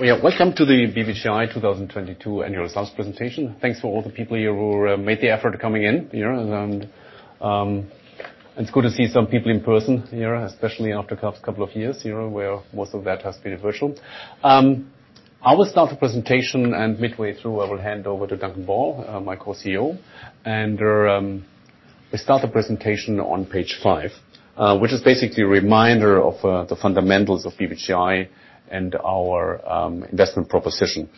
Yeah. Welcome to the BBGI 2022 annual results presentation. Thanks for all the people here who made the effort coming in, you know. It's good to see some people in person here, especially after the past couple of years, you know, where most of that has been virtual. I will start the presentation, and midway through, I will hand over to Duncan Ball, my Co-CEO. We start the presentation on Page 5, which is basically a reminder of the fundamentals of BBGI and our investment proposition.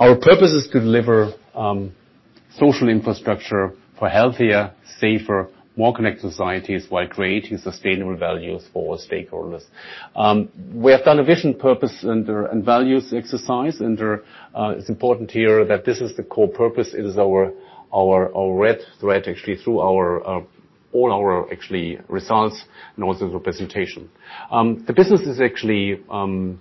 Our purpose is to deliver social infrastructure for healthier, safer, more connected societies while creating sustainable values for our stakeholders. We have done a vision purpose and values exercise, it's important here that this is the core purpose. It is our red thread actually through our all our actually results and also the presentation. The business is actually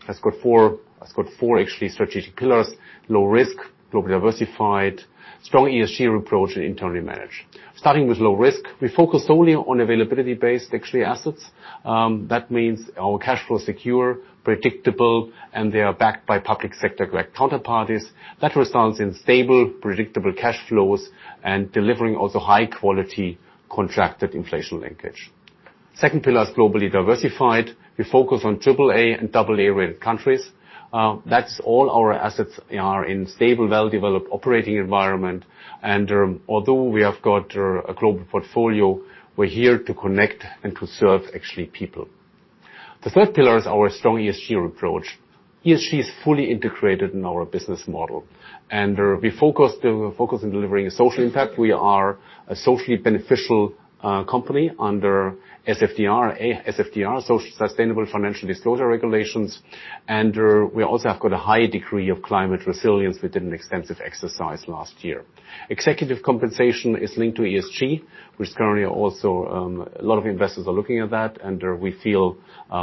has got four actually strategic pillars: low risk, globally diversified, strong ESG approach, and internally managed. Starting with low risk, we focus solely on availability-based actually assets. That means our cash flow is secure, predictable, and they are backed by public sector-like counterparties. That results in stable, predictable cash flows and delivering also high quality contracted inflation linkage. Second pillar is globally diversified. We focus on triple-A and double-A rated countries. That's all our assets are in stable, well-developed operating environment. Although we have got a global portfolio, we're here to connect and to serve actually people. The third pillar is our strong ESG approach. ESG is fully integrated in our business model. We focus on delivering a social impact. We are a socially beneficial company under SFDR, A-SFDR, Social Sustainable Financial Disclosure Regulations. We also have got a high degree of climate resilience. We did an extensive exercise last year. Executive compensation is linked to ESG. Which currently also, a lot of investors are looking at that, and we feel,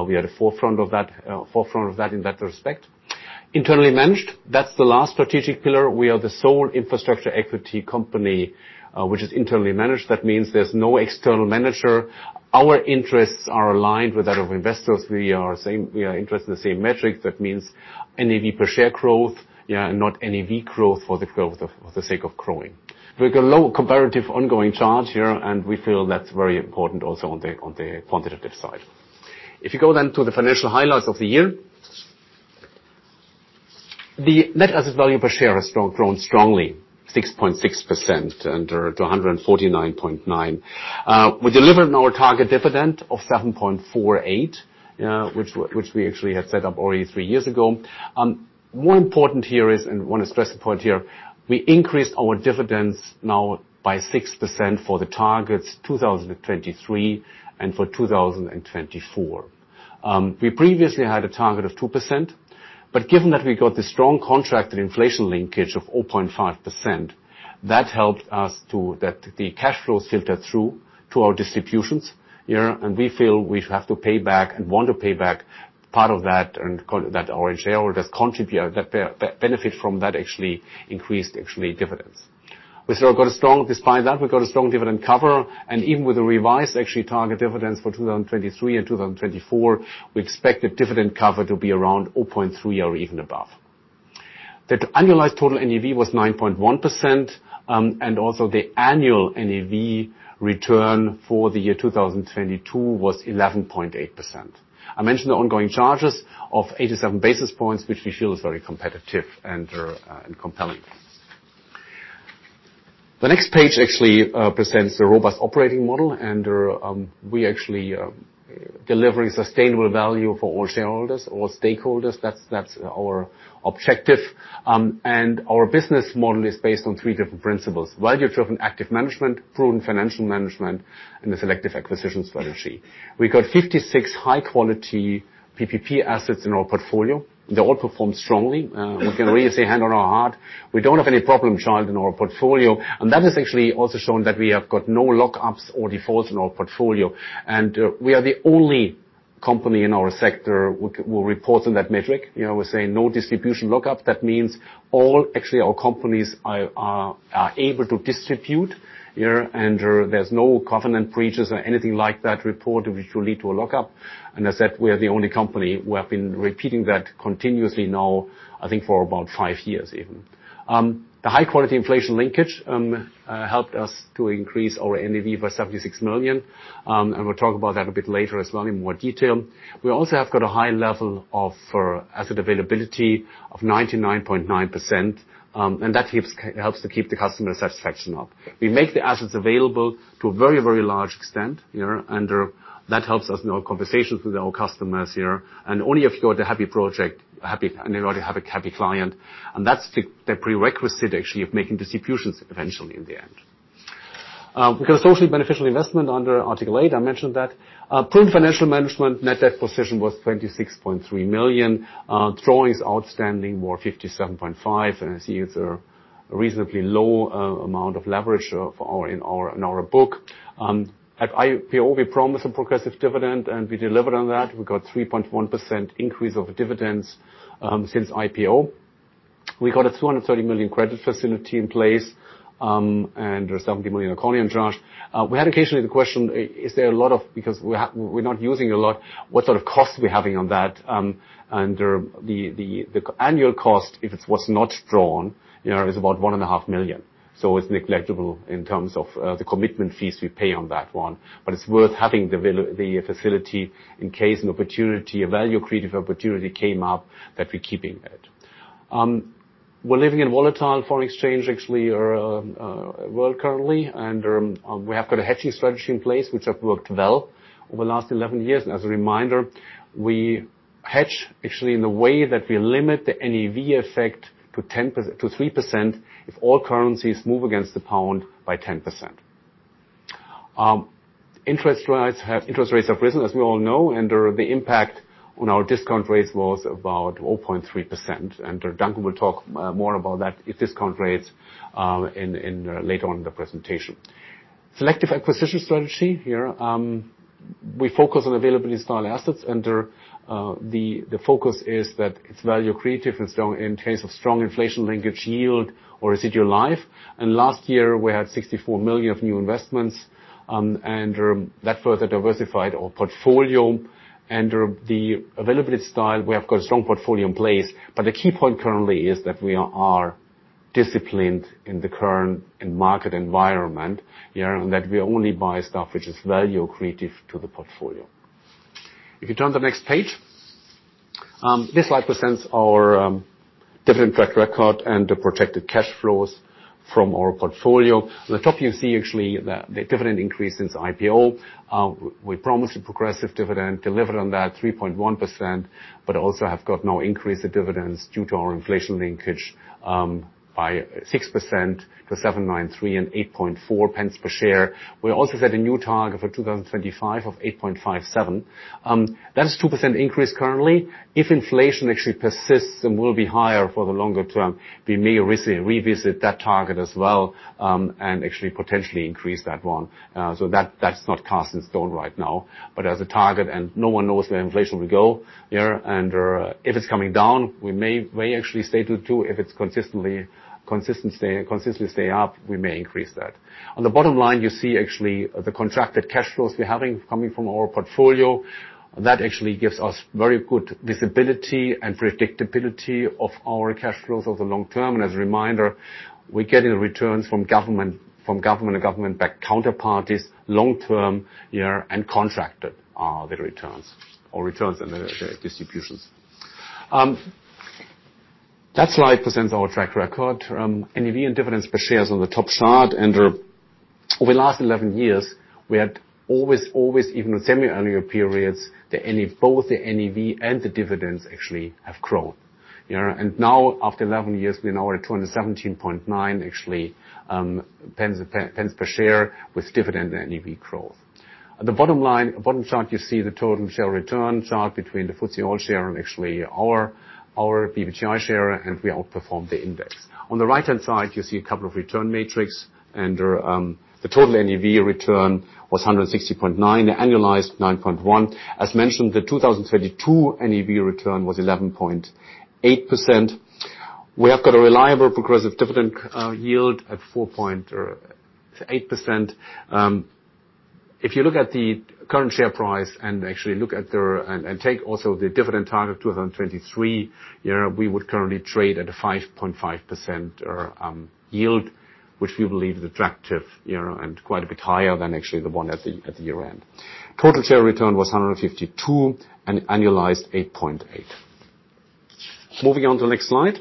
we are at the forefront of that in that respect. Internally managed, that's the last strategic pillar. We are the sole infrastructure equity company, which is internally managed. That means there's no external manager. Our interests are aligned with that of investors. We are same, we are interested in the same metrics. That means NAV per share growth, yeah, and not NAV growth for the sake of growing. We've got low comparative ongoing charge here. We feel that's very important also on the quantitative side. If you go then to the financial highlights of the year. The net asset value per share has grown strongly, 6.6% to 149.9. We delivered on our target dividend of 7.48, which we actually had set up already three years ago. More important here is, and wanna stress the point here, we increased our dividends now by 6% for the targets 2023 and for 2024. We previously had a target of 2%, given that we got the strong contracted inflation linkage of 0.5%, that helped us to that the cash flow filtered through to our distributions here. We feel we have to pay back and want to pay back part of that and call it that our share or just contribute, benefit from that actually increased actually dividends. Despite that, we've got a strong dividend cover. Even with the revised actually target dividends for 2023 and 2024, we expect the dividend cover to be around 0.3 or even above. The annualized total NAV was 9.1%. Also the annual NAV return for the year 2022 was 11.8%. I mentioned the ongoing charges of 87 basis points, which we feel is very competitive and compelling. The next page actually presents a robust operating model. We actually delivering sustainable value for all shareholders, all stakeholders. That's our objective. Our business model is based on three different principles: value-driven active management, prudent financial management, and a selective acquisition strategy. We got 56 high-quality PPP assets in our portfolio. They all perform strongly. We can really say hand on our heart, we don't have any problem child in our portfolio. That has actually also shown that we have got no lockups or defaults in our portfolio. We are the only company in our sector who reports on that metric. You know, we're saying no distribution lockup. That means all, actually, our companies are able to distribute here, and there's no covenant breaches or anything like that reported which will lead to a lockup. As said, we are the only company. We have been repeating that continuously now, I think, for about five years even. The high quality inflation linkage helped us to increase our NAV by 76 million. We'll talk about that a bit later as well in more detail. We also have got a high level of asset availability of 99.9%, that helps to keep the customer satisfaction up. We make the assets available to a very large extent, you know, that helps us in our conversations with our customers here. Only if you're the happy project, and in order to have a happy client. That's the prerequisite, actually, of making distributions eventually in the end. We've got a socially beneficial investment under Article 8. I mentioned that. Prudent financial management net debt position was 26.3 million. Drawings outstanding were 57.5. As you can see, it's a reasonably low amount of leverage in our book. At IPO, we promised a progressive dividend, and we delivered on that. We've got 3.1% increase of dividends since IPO. We got a 230 million credit facility in place and 70 million accounting insurance. We had occasionally the question, is there a lot of. Because we're not using a lot, what sort of costs are we having on that. The annual cost, if it was not drawn, you know, is about 1.5 million. It's negligible in terms of the commitment fees we pay on that one. It's worth having the facility in case an opportunity, a value creative opportunity came up that we're keeping it. We're living in volatile foreign exchange actually or world currently, we have got a hedging strategy in place which have worked well over the last 11 years. As a reminder, we hedge actually in a way that we limit the NAV effect to 3% if all currencies move against the pound by 10%. Interest rates have risen, as we all know, and the impact on our discount rates was about 0.3%. Duncan will talk more about that discount rates later on in the presentation. Selective acquisition strategy here. We focus on availability-style assets, and the focus is that it's value creative in case of strong inflation linkage yield or residual life. Last year, we had 64 million of new investments, and that further diversified our portfolio. The availability-style, we have got a strong portfolio in place. The key point currently is that we are disciplined in the current and market environment, yeah, and that we only buy stuff which is value creative to the portfolio. If you turn to the next page. This slide presents our dividend track record and the projected cash flows from our portfolio. On the top you see actually the dividend increase since IPO. We promised a progressive dividend, delivered on that 3.1%. Also have got now increased the dividends due to our inflation linkage by 6% to 0.0793 and 0.084 per share. We also set a new target for 2025 of 0.0857. That is 2% increase currently. If inflation actually persists and will be higher for the longer term, we may revisit that target as well, and actually potentially increase that one. That's not cast in stone right now. As a target, and no one knows where inflation will go. If it's coming down, we may actually stay to two. If it's consistently stay up, we may increase that. On the bottom line, you see actually the contracted cash flows we're having coming from our portfolio. That actually gives us very good visibility and predictability of our cash flows over the long term. As a reminder, we're getting returns from government, from government and government-backed counterparties long term, yeah, and contracted, the returns or returns and the distributions. That slide presents our track record. NAV and dividends per share is on the top chart. Over the last 11 years, we had always, even in semi-annual periods, the NAV. Both the NAV and the dividends actually have grown. Yeah. Now after 11 years, we're now at 217.9 actually, GBP 2.179 per share with dividend NAV growth. At the bottom line, bottom chart, you see the total share return chart between the FTSE All-Share and actually our BBGI share. We outperformed the index. On the right-hand side, you see a couple of return matrix, the total NAV return was 160.9%, annualized 9.1%. As mentioned, the 2022 NAV return was 11.8%. We have got a reliable progressive dividend yield at 4.8%. If you look at the current share price and actually look at the. Take also the dividend target 2023, we would currently trade at a 5.5% yield, which we believe is attractive, and quite a bit higher than actually the one at the year-end. Total share return was 152 and annualized 8.8%. Moving on to the next slide.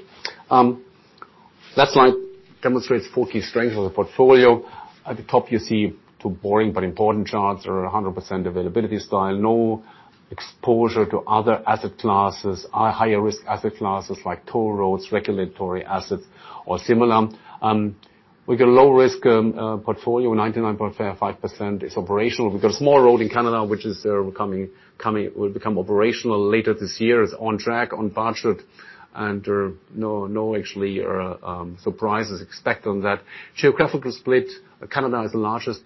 That slide demonstrates four key strengths of the portfolio. At the top, you see two boring but important charts. There are 100% availability-style. No exposure to other asset classes, higher risk asset classes like toll roads, regulatory assets or similar. We got a low risk portfolio. 99.5% is operational. We've got a small road in Canada which will become operational later this year. It's on track, on budget. No actually, surprises expect on that. Geographical split, Canada is the largest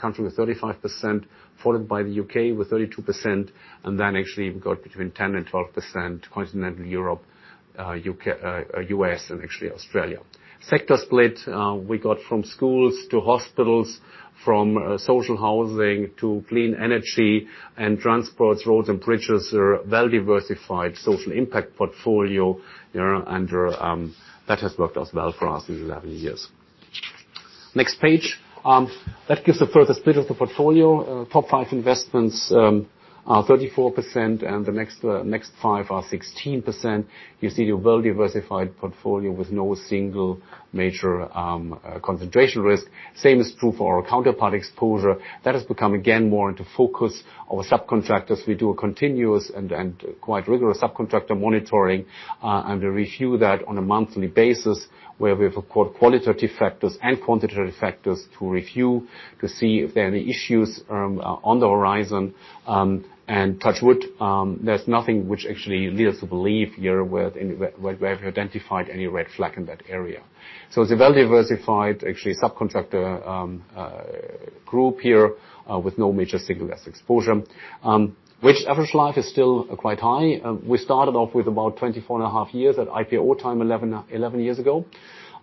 country with 35%, followed by the U.K. with 32%, then actually we've got between 10% and 12% Continental Europe, U.K., U.S., and actually Australia. Sector split, we got from schools to hospitals, from social housing to clean energy and transport, roads and bridges are a well-diversified social impact portfolio. Yeah. That has worked out well for us through the years. Next page. That gives a further split of the portfolio. Top five investments are 34%, and the next five are 16%. You see a well-diversified portfolio with no single major concentration risk. Same is true for our counterpart exposure. That has become, again, more into focus. Our subcontractors, we do a continuous and quite rigorous subcontractor monitoring, and we review that on a monthly basis, where we have qualitative factors and quantitative factors to review to see if there are any issues on the horizon. Touch wood, there's nothing which actually leads to believe here. We have identified any red flag in that area. It's a well-diversified actually subcontractor group here with no major single exposure. Which average life is still quite high. We started off with about 24 and a half years at IPO time, 11 years ago.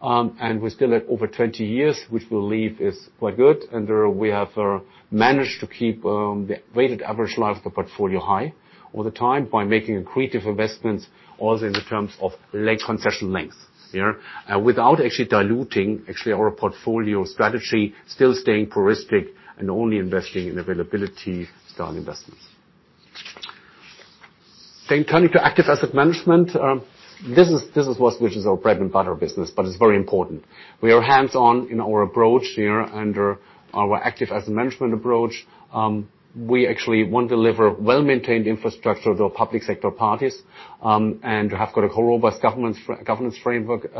We're still at over 20 years, which we believe is quite good. We have managed to keep the weighted average life of the portfolio high all the time by making accretive investments, also in the terms of length, concession lengths. Yeah. Without actually diluting actually our portfolio strategy, still staying puristic and only investing in availability style investments. Turning to active asset management. This is what, which is our bread and butter business, but it's very important. We are hands-on in our approach here under our active asset management approach. We actually want to deliver well-maintained infrastructure to our public sector parties and have got a robust governance framework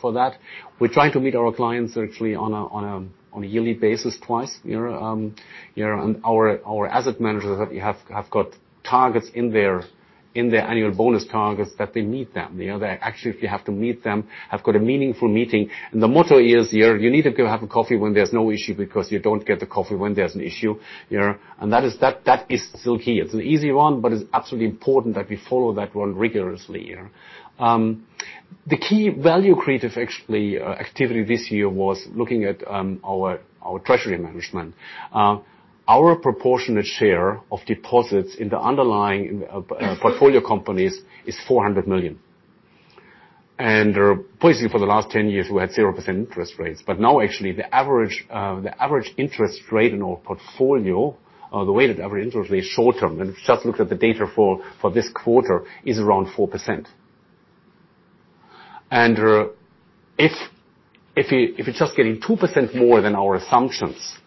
for that. We try to meet our clients actually on a yearly basis twice, you know. You know, our asset managers have got targets in their annual bonus targets that they meet them. You know, they actually, if you have to meet them, have got a meaningful meeting. The motto is you need to go have a coffee when there's no issue because you don't get the coffee when there's an issue, you know? That is still key. It's an easy one, it's absolutely important that we follow that one rigorously, you know. The key value creative actually activity this year was looking at our treasury management. Our proportionate share of deposits in the underlying portfolio companies is 400 million. Basically for the last 10 years, we had 0% interest rates. Now actually the average interest rate in our portfolio, the weighted average interest rate short-term, and it just looks at the data for this quarter, is around 4%. If you're just getting 2% more than our assumptions,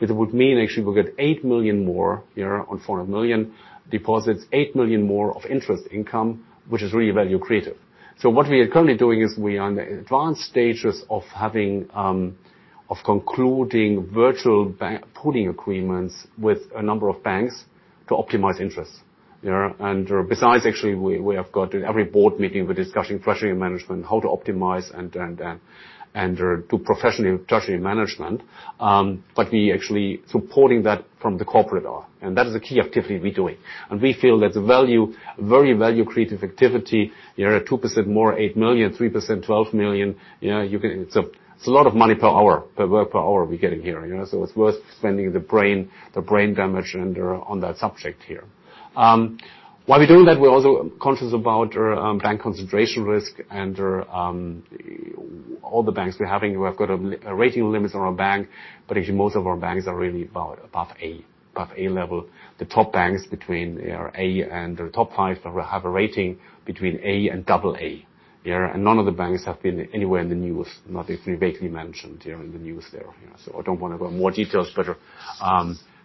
it would mean actually we'll get 8 million more, you know, on 400 million deposits. 8 million more of interest income, which is really value creative. What we are currently doing is we are in the advanced stages of having of concluding virtual bank pooling agreements with a number of banks to optimize interest, you know. Besides, actually, we have got every board meeting, we're discussing treasury management, how to optimize and do professional treasury management. We actually supporting that from the corporate are, that is a key activity we're doing. We feel that the value, very value creative activity, you know, 2% more 8 million, 3% 12 million, you know, you can. It's a lot of money per hour, per hour we're getting here, you know. It's worth spending the brain damage on that subject here. While we're doing that, we're also conscious about bank concentration risk and all the banks we're having. We've got rating limits on our bank, but actually most of our banks are really about above A, above A level. The top banks between, you know, A and the top five have a rating between A and AA, you know. None of the banks have been anywhere in the news, not if vaguely mentioned, you know, in the news there. You know, I don't wanna go in more details, but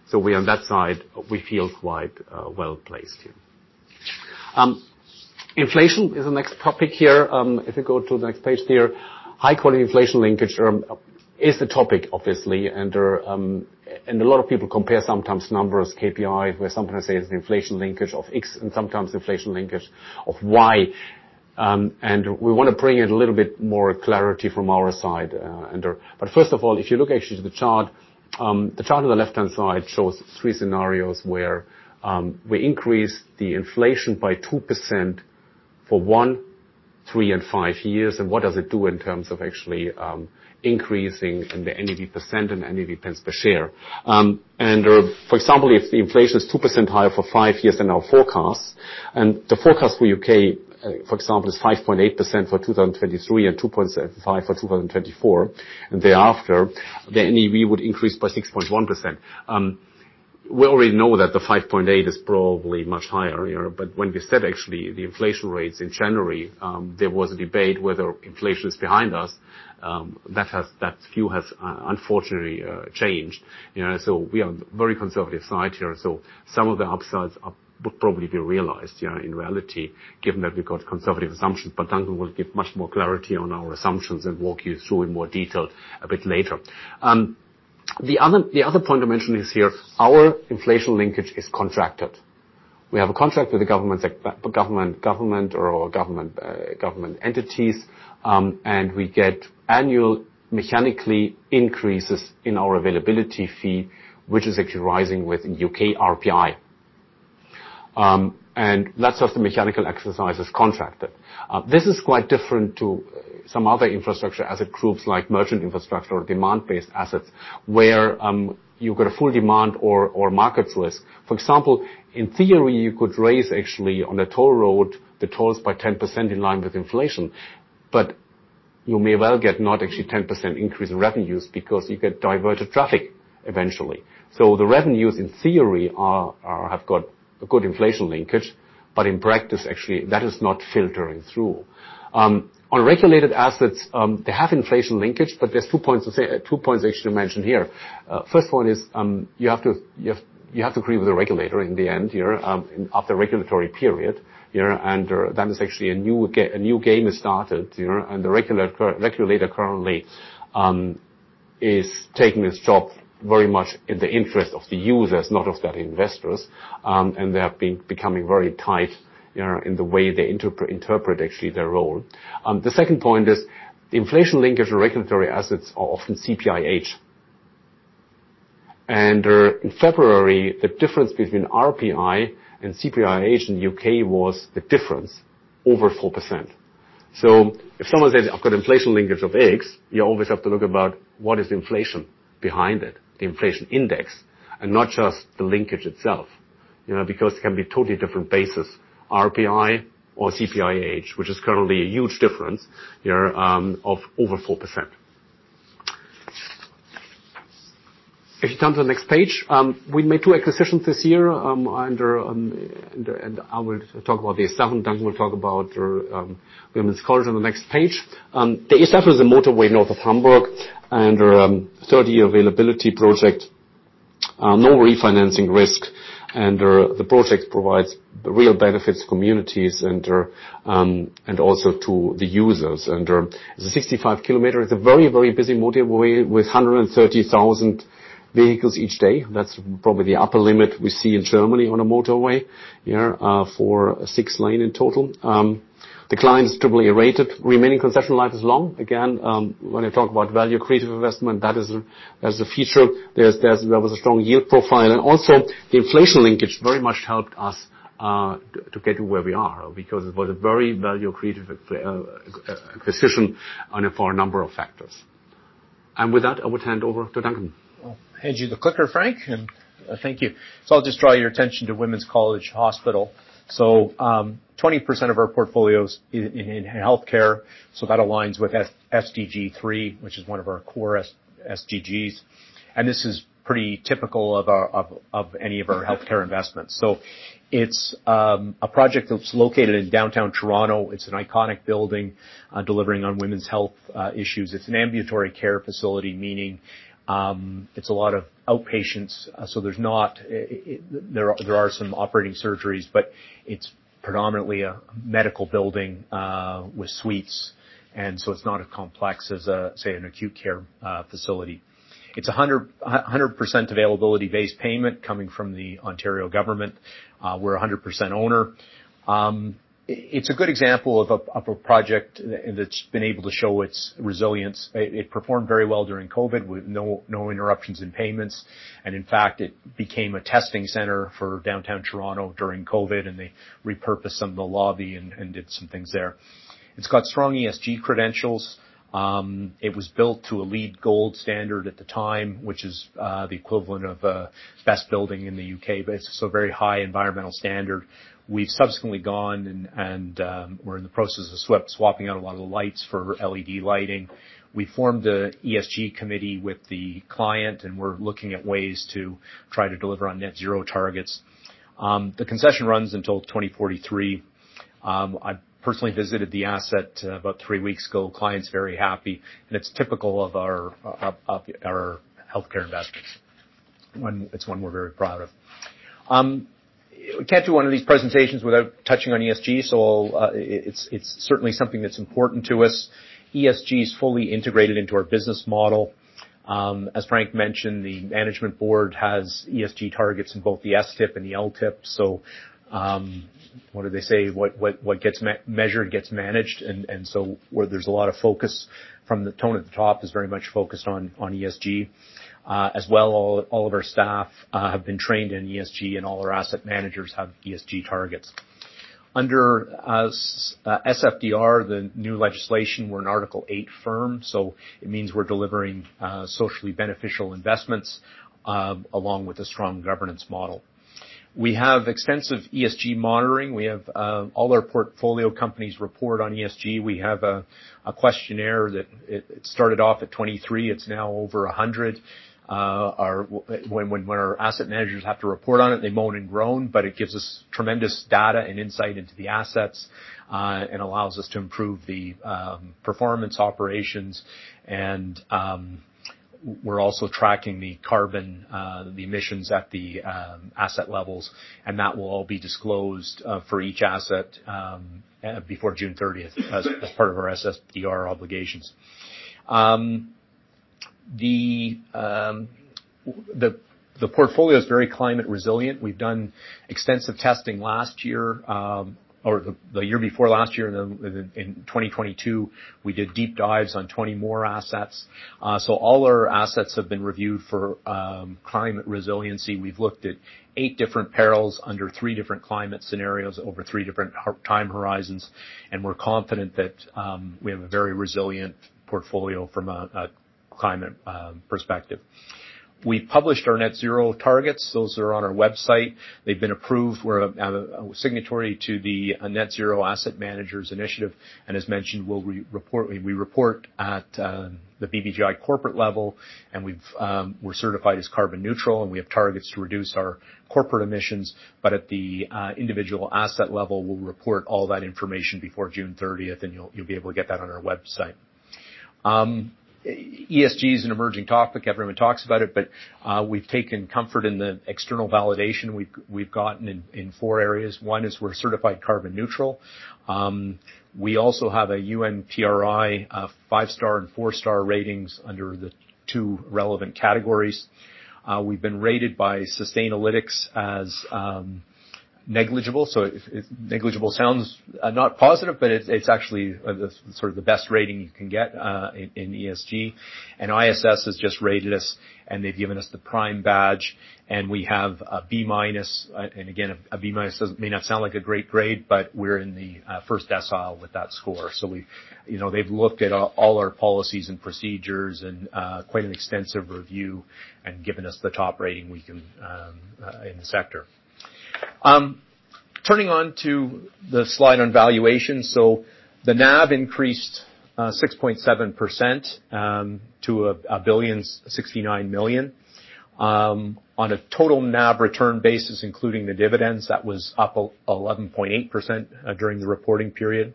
so we on that side, we feel quite well-placed here. Inflation is the next topic here. If you go to the next page there. High-quality inflation linkage is the topic obviously, and a lot of people compare sometimes numbers, KPIs, where sometimes they say it's an inflation linkage of X and sometimes inflation linkage of Y. We wanna bring a little bit more clarity from our side. First of all, if you look actually to the chart, the chart on the left-hand side shows three scenarios where we increase the inflation by 2% for one, three and five years, and what does it do in terms of actually increasing in the NAV % and NAV pence per share. For example, if the inflation is 2% higher for five years than our forecast, and the forecast for U.K., for example, is 5.8% for 2023 and 2.5 for 2024 and thereafter, the NAV would increase by 6.1%. We already know that the 5.8 is probably much higher, you know. When we said actually the inflation rates in January, there was a debate whether inflation is behind us, that has, that view has unfortunately changed. You know, we are very conservative side here. So some of the upsides are, would probably be realized, you know, in reality, given that we've got conservative assumptions. Andrew will give much more clarity on our assumptions and walk you through in more detail a bit later. The other, the other point I mentioned is here, our inflation linkage is contracted. We have a contract with the government entities, we get annual mechanically increases in our availability fee, which is actually rising with U.K. RPI. Lots of the mechanical exercises contracted. This is quite different to some other infrastructure as it groups like merchant infrastructure or demand-based assets, where you've got a full demand or markets risk. For example, in theory, you could raise actually on a toll road the tolls by 10% in line with inflation, but you may well get not actually 10% increase in revenues because you get diverted traffic eventually. The revenues in theory have got a good inflation linkage, but in practice, actually, that is not filtering through. On regulated assets, they have inflation linkage, but there's two points I should mention here. First one is, you have to agree with the regulator in the end here, of the regulatory period, you know. It's actually a new game is started, you know. The regulator currently is taking this job very much in the interest of the users, not of the investors. They have been becoming very tight, you know, in the way they interpret actually their role. The second point is the inflation linkage and regulatory assets are often CPIH. In February, the difference between RPI and CPIH in the U.K. was the difference over 4%. If someone says I've got inflation linkage of X, you always have to look about what is inflation behind it, the inflation index, and not just the linkage itself, you know. Because it can be totally different basis, RPI or CPIH, which is currently a huge difference, you know, of over 4%. If you turn to the next page, we made two acquisitions this year. I will talk about the A7, Duncan will talk about our Women's College on the next page. The A7 is a motorway north of Hamburg under 30 availability project. No refinancing risk, and the project provides real benefits to communities and also to the users. It's a 65 kilometer. It's a very, very busy motorway with 130,000 vehicles each day. That's probably the upper limit we see in Germany on a motorway, yeah, for six lane in total. The client is doubly rated. Remaining concession life is long. Again, when I talk about value creative investment, that is a feature. There was a strong yield profile. Also the inflation linkage very much helped us to get to where we are, because it was a very value creative decision on a four number of factors. With that, I would hand over to Duncan. I'll hand you the clicker, Frank, thank you. I'll just draw your attention to Women's College Hospital. 20% of our portfolio is in healthcare, so that aligns with SDG 3, which is one of our core SDGs. This is pretty typical of any of our healthcare investments. It's a project that's located in downtown Toronto. It's an iconic building, delivering on women's health issues. It's an ambulatory care facility, meaning it's a lot of outpatients. There are some operating surgeries, but it's predominantly a medical building with suites. It's not as complex as say an acute care facility. It's a 100% availability based payment coming from the Ontario government. We're a 100% owner. It's a good example of a project that's been able to show its resilience. It performed very well during COVID, with no interruptions in payments. In fact, it became a testing center for downtown Toronto during COVID, and they repurposed some of the lobby and did some things there. It's got strong ESG credentials. It was built to a LEED Gold standard at the time, which is the equivalent of best building in the U.K., but it's so very high environmental standard. We've subsequently gone and we're in the process of swapping out a lot of the lights for LED lighting. We formed a ESG committee with the client, and we're looking at ways to try to deliver on net zero targets. The concession runs until 2043. I personally visited the asset about three weeks ago. Client's very happy, and it's typical of our healthcare investments. It's one we're very proud of. We can't do one of these presentations without touching on ESG, so it's certainly something that's important to us. ESG is fully integrated into our business model. As Frank mentioned, the management board has ESG targets in both the STIP and the LTIP. What do they say? What gets measured gets managed. Where there's a lot of focus from the tone at the top is very much focused on ESG. As well, all of our staff have been trained in ESG, and all our asset managers have ESG targets. Under SFDR, the new legislation, we're an Article Eight firm, so it means we're delivering socially beneficial investments along with a strong governance model. We have extensive ESG monitoring. We have all our portfolio companies report on ESG. We have a questionnaire that it started off at 23, it's now over 100. Our When our asset managers have to report on it, they moan and groan, but it gives us tremendous data and insight into the assets and allows us to improve the performance operations. We're also tracking the carbon, the emissions at the asset levels, and that will all be disclosed for each asset before June 30th as part of our SFDR obligations. The portfolio is very climate resilient. We've done extensive testing last year or the year before last year. In 2022, we did deep dives on 20 more assets. All our assets have been reviewed for climate resiliency. We've looked at eight different perils under three different climate scenarios over three different time horizons, we're confident that we have a very resilient portfolio from a climate perspective. We published our Net Zero targets. Those are on our website. They've been approved. We're a signatory to the Net Zero Asset Managers initiative. As mentioned, we report at the BBGI corporate level, we're certified as carbon neutral, we have targets to reduce our corporate emissions. At the individual asset level, we'll report all that information before June 30th, and you'll be able to get that on our website. ESG is an emerging topic. Everyone talks about it, we've taken comfort in the external validation we've gotten in four areas. One is we're certified carbon neutral. We also have a UNPRI 5-star and 4-star ratings under the two relevant categories. We've been rated by Sustainalytics as negligible. If negligible sounds not positive, it's actually the sort of the best rating you can get in ESG. ISS has just rated us, and they've given us the prime badge, and we have a B-. Again, a B- may not sound like a great grade, we're in the first decile with that score. We've. You know, they've looked at all our policies and procedures and quite an extensive review and given us the top rating we can in the sector. Turning on to the slide on valuation. The NAV increased 6.7% to 1.069 billion. On a total NAV return basis, including the dividends, that was up 11.8% during the reporting period.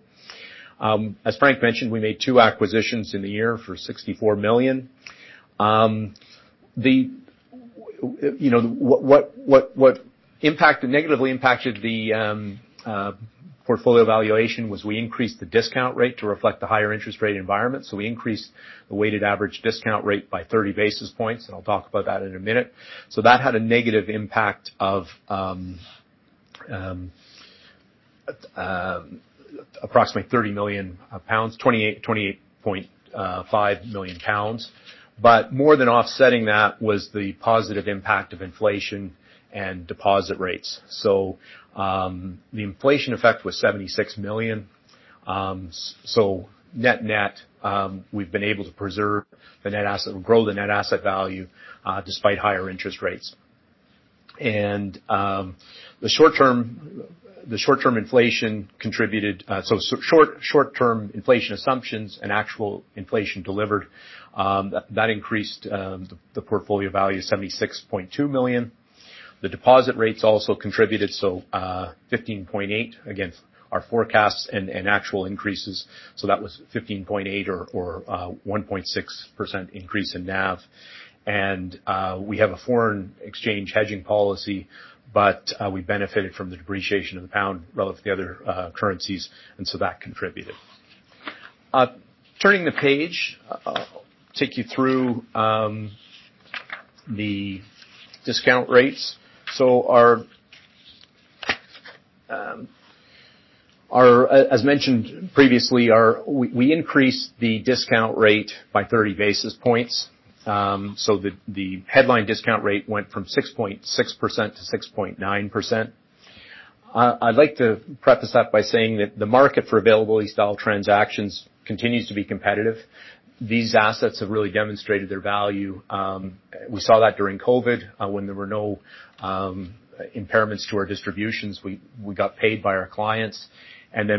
As Frank mentioned, we made two acquisitions in the year for 64 million. You know, what impacted, negatively impacted the portfolio valuation was we increased the discount rate to reflect the higher interest rate environment. We increased the weighted average discount rate by 30 basis points, and I'll talk about that in a minute. That had a negative impact of approximately 30 million pounds, 28.5 million pounds. More than offsetting that was the positive impact of inflation and deposit rates. The inflation effect was 76 million. Net-net, we've been able to preserve the net asset, grow the NAV, despite higher interest rates. The short-term inflation contributed, so short-term inflation assumptions and actual inflation delivered, that increased the portfolio value 76.2 million. The deposit rates also contributed, so 15.8 against our forecasts and actual increases. That was 15.8 or 1.6% increase in NAV. We have a foreign exchange hedging policy, but we benefited from the depreciation of the pound relative to the other currencies, and so that contributed. Turning the page, I'll take you through the discount rates. We increased the discount rate by 30 basis points. The headline discount rate went from 6.6% to 6.9%. I'd like to preface that by saying that the market for available lease style transactions continues to be competitive. These assets have really demonstrated their value. We saw that during COVID, when there were no impairments to our distributions, we got paid by our clients.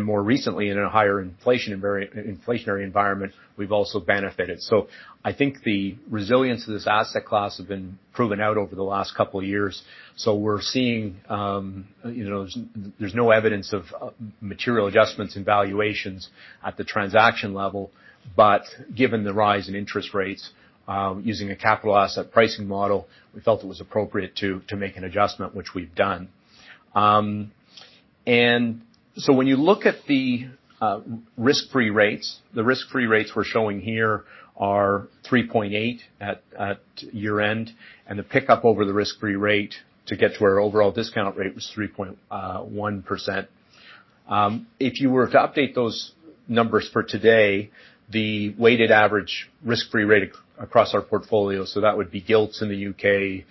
More recently, in a higher inflationary environment, we've also benefited. I think the resilience of this asset class has been proven out over the last couple of years. We're seeing, you know, there's no evidence of material adjustments in valuations at the transaction level. Given the rise in interest rates, using a Capital Asset Pricing Model, we felt it was appropriate to make an adjustment, which we've done. When you look at the risk-free rates, the risk-free rates we're showing here are 3.8 at year-end, and the pickup over the risk-free rate to get to our overall discount rate was 3.1%. If you were to update those numbers for today, the weighted average risk-free rate across our portfolio, so that would be gilts in the U.K.,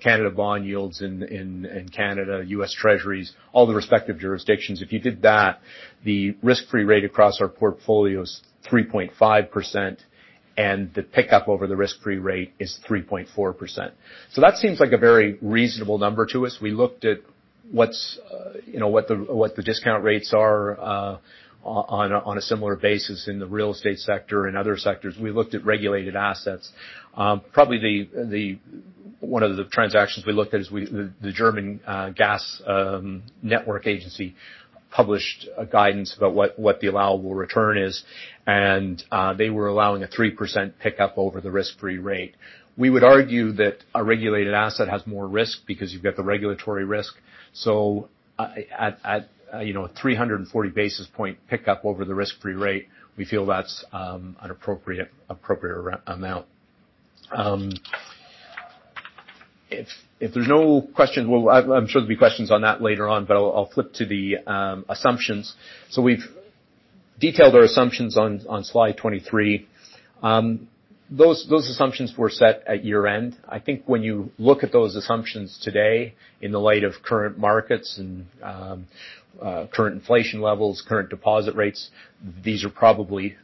Canada bond yields in Canada, U.S. Treasuries, all the respective jurisdictions. If you did that, the risk-free rate across our portfolio is 3.5%, and the pickup over the risk-free rate is 3.4%. That seems like a very reasonable number to us. We looked at what's, you know, what the, what the discount rates are on a similar basis in the real estate sector and other sectors. We looked at regulated assets. Probably the one of the transactions we looked at is the German gas network agency published a guidance about what the allowable return is, and they were allowing a 3% pickup over the risk-free rate. We would argue that a regulated asset has more risk because you've got the regulatory risk. you know, a 340 basis point pickup over the risk-free rate, we feel that's an appropriate amount. If there's no questions, we'll. I'm sure there'll be questions on that later on, but I'll flip to the assumptions. We've detailed our assumptions on Slide 23. Those assumptions were set at year-end. I think when you look at those assumptions today in the light of current markets and current inflation levels, current deposit rates, these probably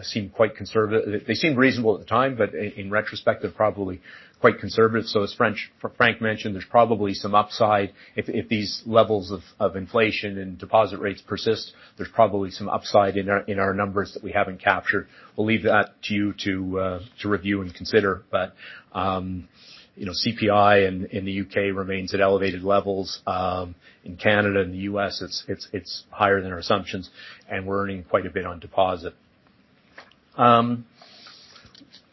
seem quite conservative. They seemed reasonable at the time, but in retrospect, they're probably quite conservative. As Frank mentioned, there's probably some upside. If these levels of inflation and deposit rates persist, there's probably some upside in our numbers that we haven't captured. We'll leave that to you to review and consider. You know, CPI in the U.K. remains at elevated levels. In Canada and the U.S., it's, it's higher than our assumptions, and we're earning quite a bit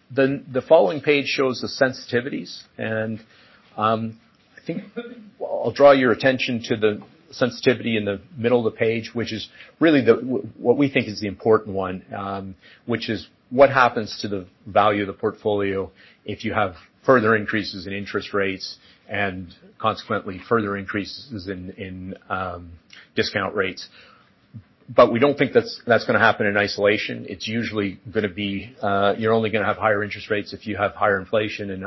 on deposit. The following page shows the sensitivities. I think I'll draw your attention to the sensitivity in the middle of the page, which is really what we think is the important one, which is what happens to the value of the portfolio if you have further increases in interest rates and consequently further increases in discount rates. We don't think that's gonna happen in isolation. It's usually gonna be, you're only gonna have higher interest rates if you have higher inflation.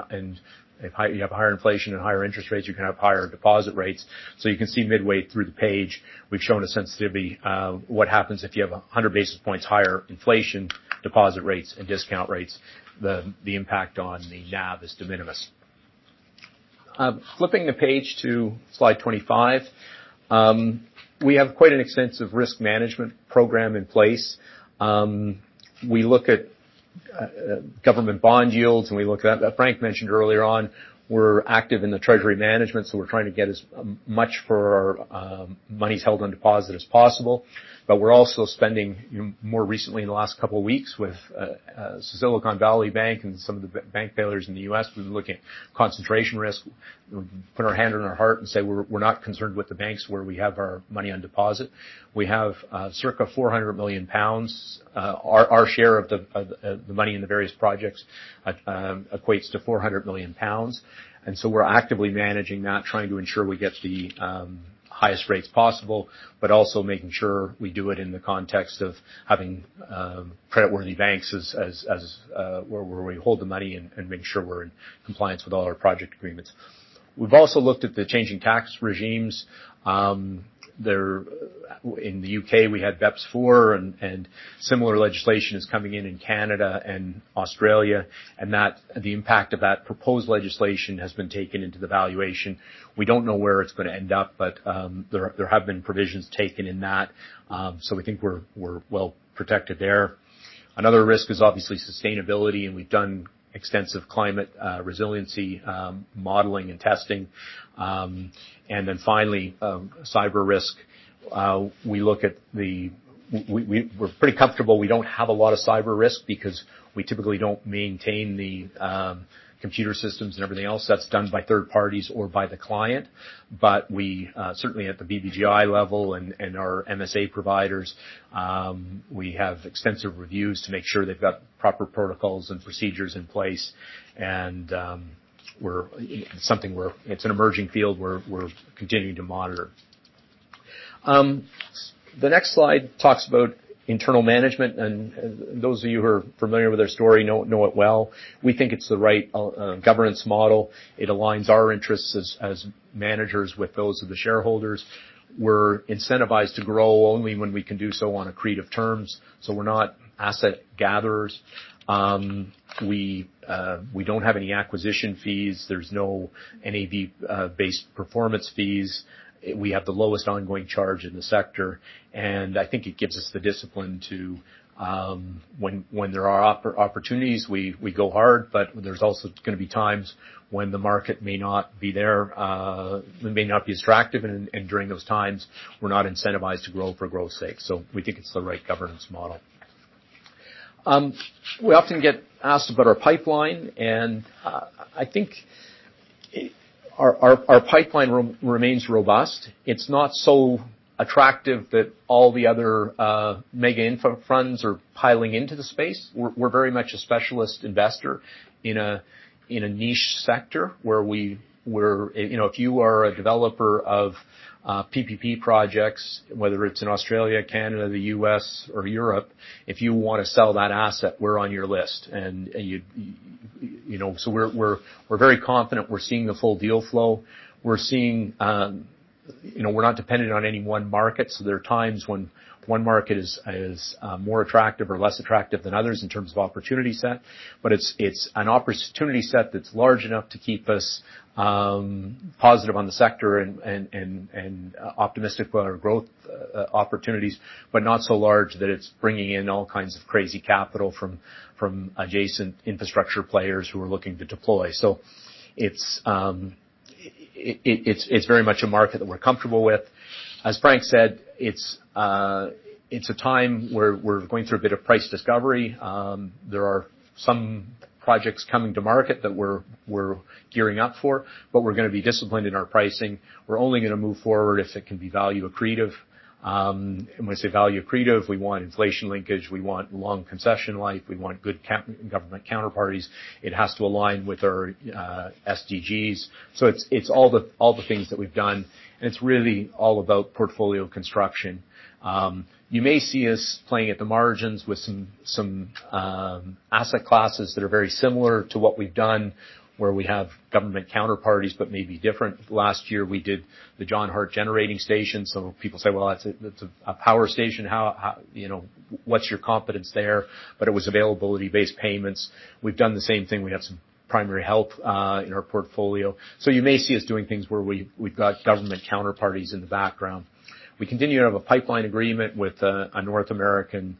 If high, you have higher inflation and higher interest rates, you're gonna have higher deposit rates. You can see midway through the page, we've shown a sensitivity, what happens if you have 100 basis points higher inflation deposit rates and discount rates, the impact on the NAV is de minimis. Flipping the page to Slide 25. We have quite an extensive risk management program in place. We look at government bond yields, and we look at. Frank mentioned earlier on we're active in the treasury management, so we're trying to get as much for our monies held on deposit as possible. We're also spending more recently in the last couple weeks with Silicon Valley Bank and some of the bank failures in the U.S., we've been looking at concentration risk. We put our hand on our heart and say we're not concerned with the banks where we have our money on deposit. We have circa 400 million pounds. Our share of the money in the various projects equates to 400 million pounds. We're actively managing that, trying to ensure we get the highest rates possible, but also making sure we do it in the context of having creditworthy banks as where we hold the money and making sure we're in compliance with all our project agreements. We've also looked at the changing tax regimes. In the U.K., we had BEPS 4 and similar legislation is coming in in Canada and Australia, the impact of that proposed legislation has been taken into the valuation. We don't know where it's gonna end up, but there have been provisions taken in that, so we think we're well protected there. Another risk is obviously sustainability, and we've done extensive climate resiliency modeling and testing. Finally, cyber risk. We're pretty comfortable we don't have a lot of cyber risk because we typically don't maintain the computer systems and everything else. That's done by third parties or by the client. We, certainly at the BBGI level and our MSA providers, we have extensive reviews to make sure they've got proper protocols and procedures in place. It's an emerging field we're continuing to monitor. The next slide talks about internal management. Those of you who are familiar with our story know it well. We think it's the right governance model. It aligns our interests as managers with those of the shareholders. We're incentivized to grow only when we can do so on accretive terms, so we're not asset gatherers. We don't have any acquisition fees. There's no NAV based performance fees. We have the lowest ongoing charge in the sector. I think it gives us the discipline to when there are opportunities, we go hard. There's also gonna be times when the market may not be there, may not be as attractive. During those times, we're not incentivized to grow for growth's sake. We think it's the right governance model. We often get asked about our pipeline. I think our pipeline remains robust. It's not so attractive that all the other mega infra funds are piling into the space. We're very much a specialist investor in a niche sector where we're. You know, if you are a developer of PPP projects, whether it's in Australia, Canada, the U.S., or Europe, if you wanna sell that asset, we're on your list. You know? We're very confident we're seeing the full deal flow. We're seeing, you know, we're not dependent on any one market. There are times when one market is more attractive or less attractive than others in terms of opportunity set. It's, it's an opportunity set that's large enough to keep us positive on the sector and optimistic about our growth opportunities, but not so large that it's bringing in all kinds of crazy capital from adjacent infrastructure players who are looking to deploy. It's very much a market that we're comfortable with. As Frank said, it's a time where we're going through a bit of price discovery. There are some projects coming to market that we're gearing up for, but we're gonna be disciplined in our pricing. We're only gonna move forward if it can be value accretive. When we say value accretive, we want inflation linkage. We want long concession life. We want good government counterparties. It has to align with our SDGs. It's all the things that we've done, and it's really all about portfolio construction. You may see us playing at the margins with some asset classes that are very similar to what we've done, where we have government counterparties but may be different. Last year, we did the John Hart Generating Station. People say, "Well, that's a power station. How, you know, what's your competence there?" It was availability-based payments. We've done the same thing. We have some primary health in our portfolio. You may see us doing things where we've got government counterparties in the background. We continue to have a pipeline agreement with a North American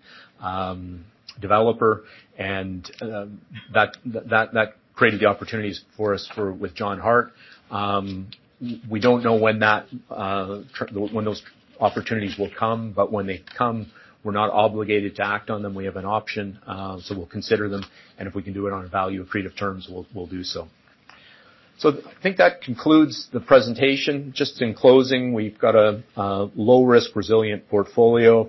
developer, and that created the opportunities for us for, with John Hart. We don't know when those opportunities will come, but when they come, we're not obligated to act on them. We have an option, so we'll consider them, and if we can do it on a value accretive terms, we'll do so. I think that concludes the presentation. Just in closing, we've got a low risk resilient portfolio.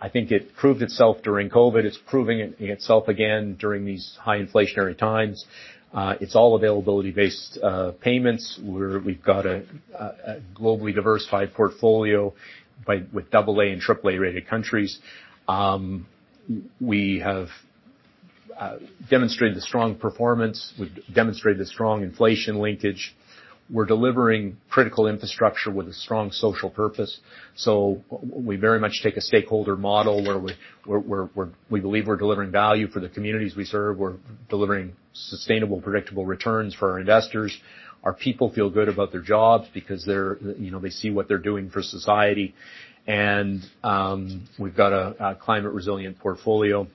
I think it proved itself during COVID. It's proving itself again during these high inflationary times. It's all availability based payments. We've got a globally diversified portfolio with double A and triple A-rated countries. We have demonstrated a strong performance. We've demonstrated a strong inflation linkage. We're delivering critical infrastructure with a strong social purpose. We very much take a stakeholder model where we believe we're delivering value for the communities we serve. We're delivering sustainable, predictable returns for our investors. Our people feel good about their jobs because they're, you know, they see what they're doing for society. We've got a climate resilient portfolio,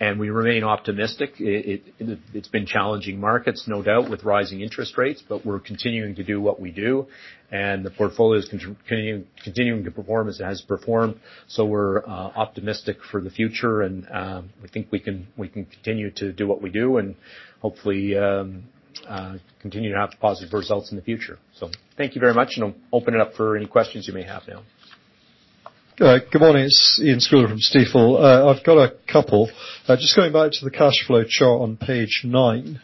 and we remain optimistic. It's been challenging markets, no doubt, with rising interest rates, but we're continuing to do what we do. The portfolio's continuing to perform as it has performed. We're optimistic for the future and we think we can continue to do what we do, and hopefully continue to have positive results in the future. Thank you very much, and I'll open it up for any questions you may have now. Good morning. It's Iain Scouller from Stifel. I've got a couple. Just going back to the cash flow chart on Page 9.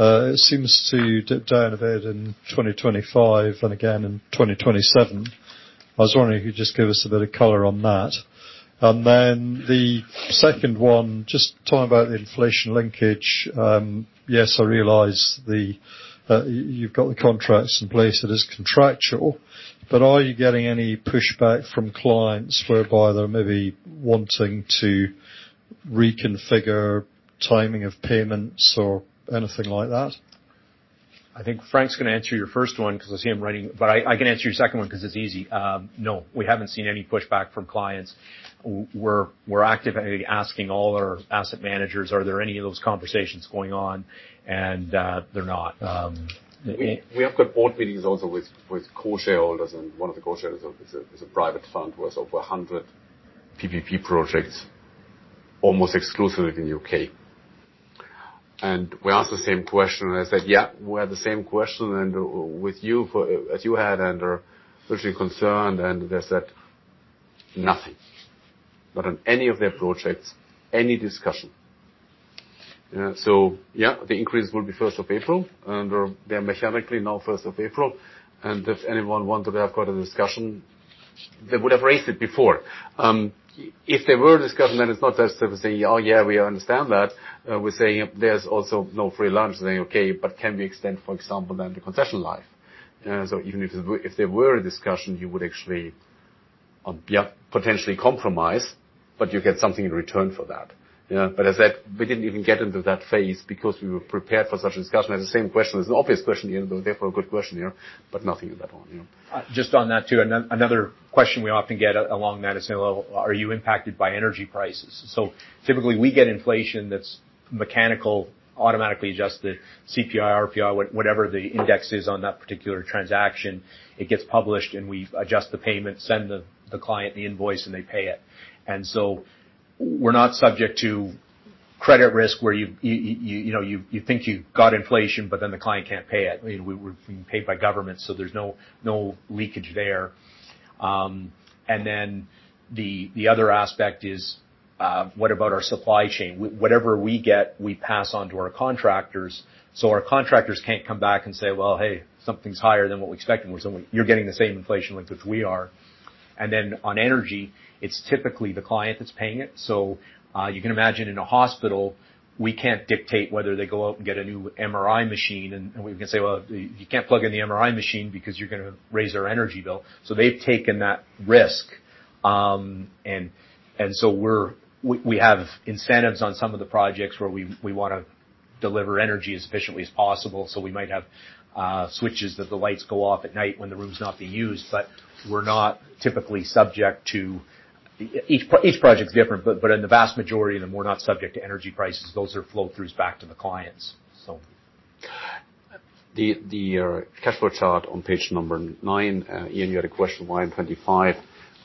It seems to dip down a bit in 2025 and again in 2027. I was wondering if you'd just give us a bit of color on that. The second one, just talking about the inflation linkage. Yes, I realize the, you've got the contracts in place, it is contractual, but are you getting any pushback from clients whereby they're maybe wanting to reconfigure timing of payments or anything like that? I think Frank's gonna answer your first one because I see him writing. I can answer your second one 'cause it's easy. No, we haven't seen any pushback from clients. We're actively asking all our asset managers, are there any of those conversations going on? They're not. We have got board meetings also with core shareholders, and one of the core shareholders is a private fund who has over 100 PPP projects, almost exclusively in the U.K. We ask the same question. I said, "Yeah, we had the same question and with you for, as you had and are virtually concerned," and they said nothing. Not on any of their projects, any discussion. Yeah, the increase will be first of April, and they're mechanically now first of April. If anyone wanted to have quite a discussion, they would have raised it before. If they were discussing and it's not as simple as saying, "Oh, yeah, we understand that." We're saying there's also no free lunch, saying, "Okay, but can we extend, for example, then the concession life?" Even if there were a discussion, you would actually, yeah, potentially compromise, but you get something in return for that. Yeah. As I said, we didn't even get into that phase because we were prepared for such a discussion. The same question is an obvious question, Iain, but therefore a good question, yeah. Nothing on that one, you know. Just on that, too. Another question we often get along that is, you know, well, are you impacted by energy prices? Typically, we get inflation that's mechanical, automatically adjusted, CPI, RPI, whatever the index is on that particular transaction. It gets published, and we adjust the payment, send the client the invoice, and they pay it. We're not subject to credit risk, where you know, you think you've got inflation, but then the client can't pay it. I mean, we're paid by government, so there's no leakage there. The other aspect is, what about our supply chain? Whatever we get, we pass on to our contractors. Our contractors can't come back and say, "Well, hey, something's higher than what we expected." We say, "Well, you're getting the same inflation rate that we are." Then on energy, it's typically the client that's paying it. You can imagine in a hospital, we can't dictate whether they go out and get a new MRI machine, and we can say, "Well, you can't plug in the MRI machine because you're gonna raise our energy bill." They've taken that risk. And so we have incentives on some of the projects where we wanna deliver energy as efficiently as possible. We might have switches that the lights go off at night when the room's not being used. We're not typically subject to-- Each project's different, but in the vast majority of them, we're not subject to energy prices. Those are flow-throughs back to the clients. The cash flow chart on Page 9, Iain, you had a question why in 2025,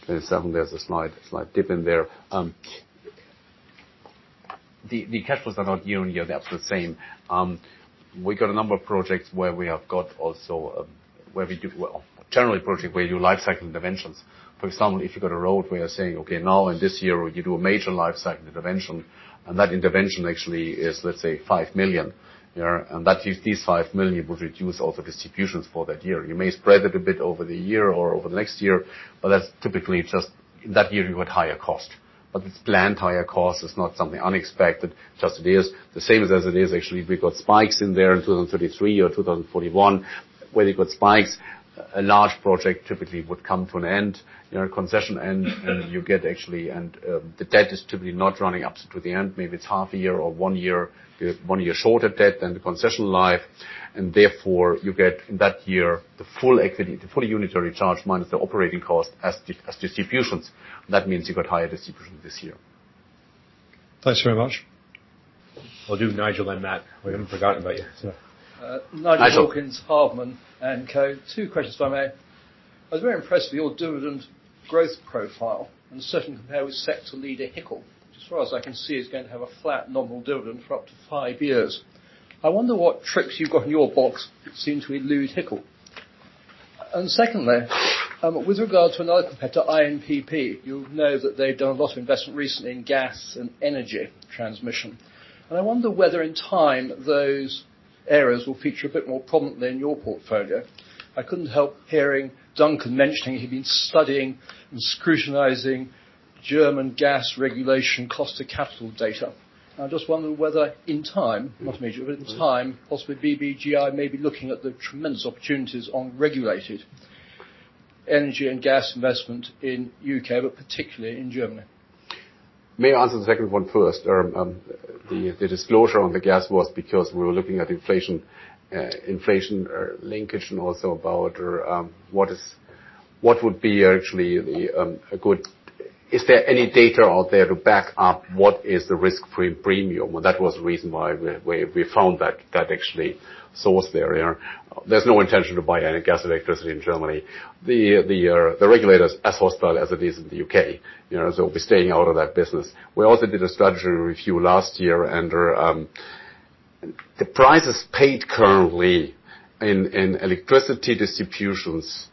2027, there's a slight dip in there. The cash flows are not year-over-year, they're absolute same. We got a number of projects where we have got also, generally a project where you do lifecycle interventions. For example, if you've got a road, we are saying, "Okay, now in this year, we do a major lifecycle intervention," and that intervention actually is, let's say, 5 million. That is this 5 million will reduce all the distributions for that year. You may spread it a bit over the year or over the next year, but that's typically just that year you've got higher cost. It's planned higher cost. It's not something unexpected. Just it is the same as it is. Actually, we got spikes in there in 2033 or 2041, where you got spikes. A large project typically would come to an end, you know, concession end, and you get actually. The debt is typically not running up to the end. Maybe it's half a year or one year, one year shorter debt than the concession life. Therefore, you get in that year, the full equity, the full unitary charge minus the operating cost as distributions. That means you've got higher distribution this year. Thanks very much. I'll do Nigel then Matt. We haven't forgotten about you. Nigel- Nigel. Hardman & Co. Two questions if I may. I was very impressed with your dividend growth profile and certainly compare with sector leader, HICL, which as far as I can see, is going to have a flat normal dividend for up to five years. I wonder what tricks you've got in your box seem to elude HICL. Secondly, with regard to another competitor, INPP, you'll know that they've done a lot of investment recently in gas and energy transmission. I wonder whether in time those areas will feature a bit more prominently in your portfolio. I couldn't help hearing Duncan mentioning he'd been studying and scrutinizing German gas regulation cost to capital data. I just wondered whether in time, not immediately, but in time, possibly BBGI may be looking at the tremendous opportunities on regulated energy and gas investment in U.K., but particularly in Germany. May I answer the second one first? The disclosure on the gas was because we were looking at inflation linkage, and also about, what would be actually the, a good. Is there any data out there to back up what is the risk-free premium? That was the reason why we found that actually sourced the area. There's no intention to buy any gas electricity in Germany. The, the regulator's as hostile as it is in the U.K. You know, so we'll be staying out of that business. We also did a strategy review last year, the prices paid currently in electricity distributions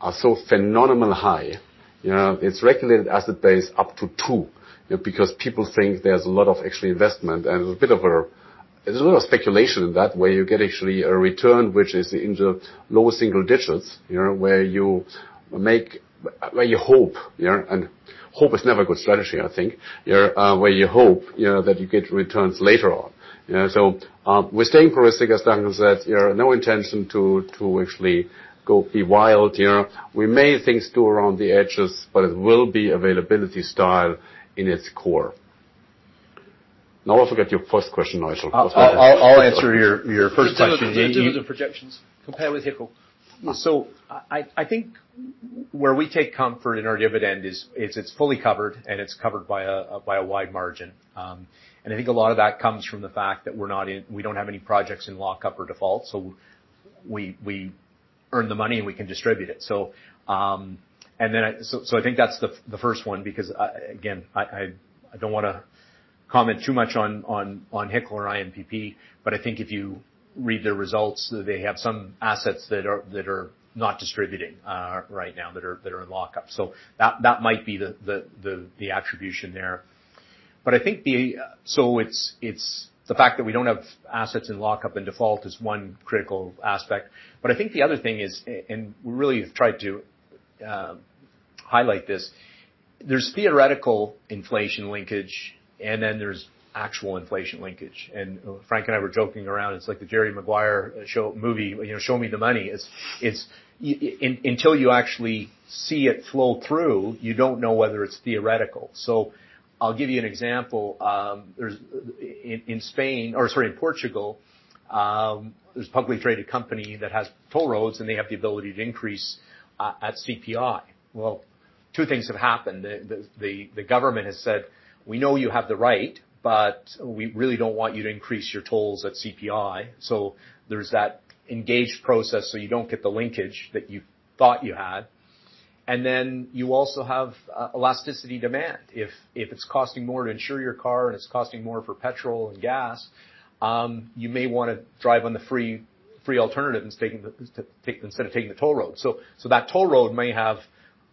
are so phenomenally high. You know, it's regulated asset base up to two, because people think there's a lot of actually investment and a bit of a. There's a lot of speculation in that, where you get actually a return which is in the lower single digits. You know, where you hope, you know. Hope is never a good strategy, I think. Where, where you hope, you know, that you get returns later on. You know, we're staying realistic, as Duncan said. There are no intention to actually go be wild, you know. We may have things do around the edges, but it will be availability style in its core. I forgot your first question, Nigel. I'll answer your first question. Dividends and projections compare with HICL. I think where we take comfort in our dividend is, it's fully covered, and it's covered by a wide margin. I think a lot of that comes from the fact that we don't have any projects in lock-up or default, so we earn the money and we can distribute it. I think that's the first one, because again, I don't wanna comment too much on HICL or INPP, but I think if you read their results, they have some assets that are not distributing right now, that are in lock-up. That might be the attribution there. I think the fact that we don't have assets in lock-up and default is one critical aspect. I think the other thing is, and we really have tried to highlight this, there's theoretical inflation linkage, and then there's actual inflation linkage. Frank and I were joking around, it's like the Jerry Maguire movie, you know, show me the money. It's until you actually see it flow through, you don't know whether it's theoretical. I'll give you an example. There's in Spain, or sorry, in Portugal, there's a publicly traded company that has toll roads, and they have the ability to increase at CPI. Two things have happened. The government has said, "We know you have the right, but we really don't want you to increase your tolls at CPI." There's that engaged process, so you don't get the linkage that you thought you had. Then you also have elasticity demand. If it's costing more to insure your car, and it's costing more for petrol and gas, you may wanna drive on the free alternative instead of taking the toll road. That toll road may have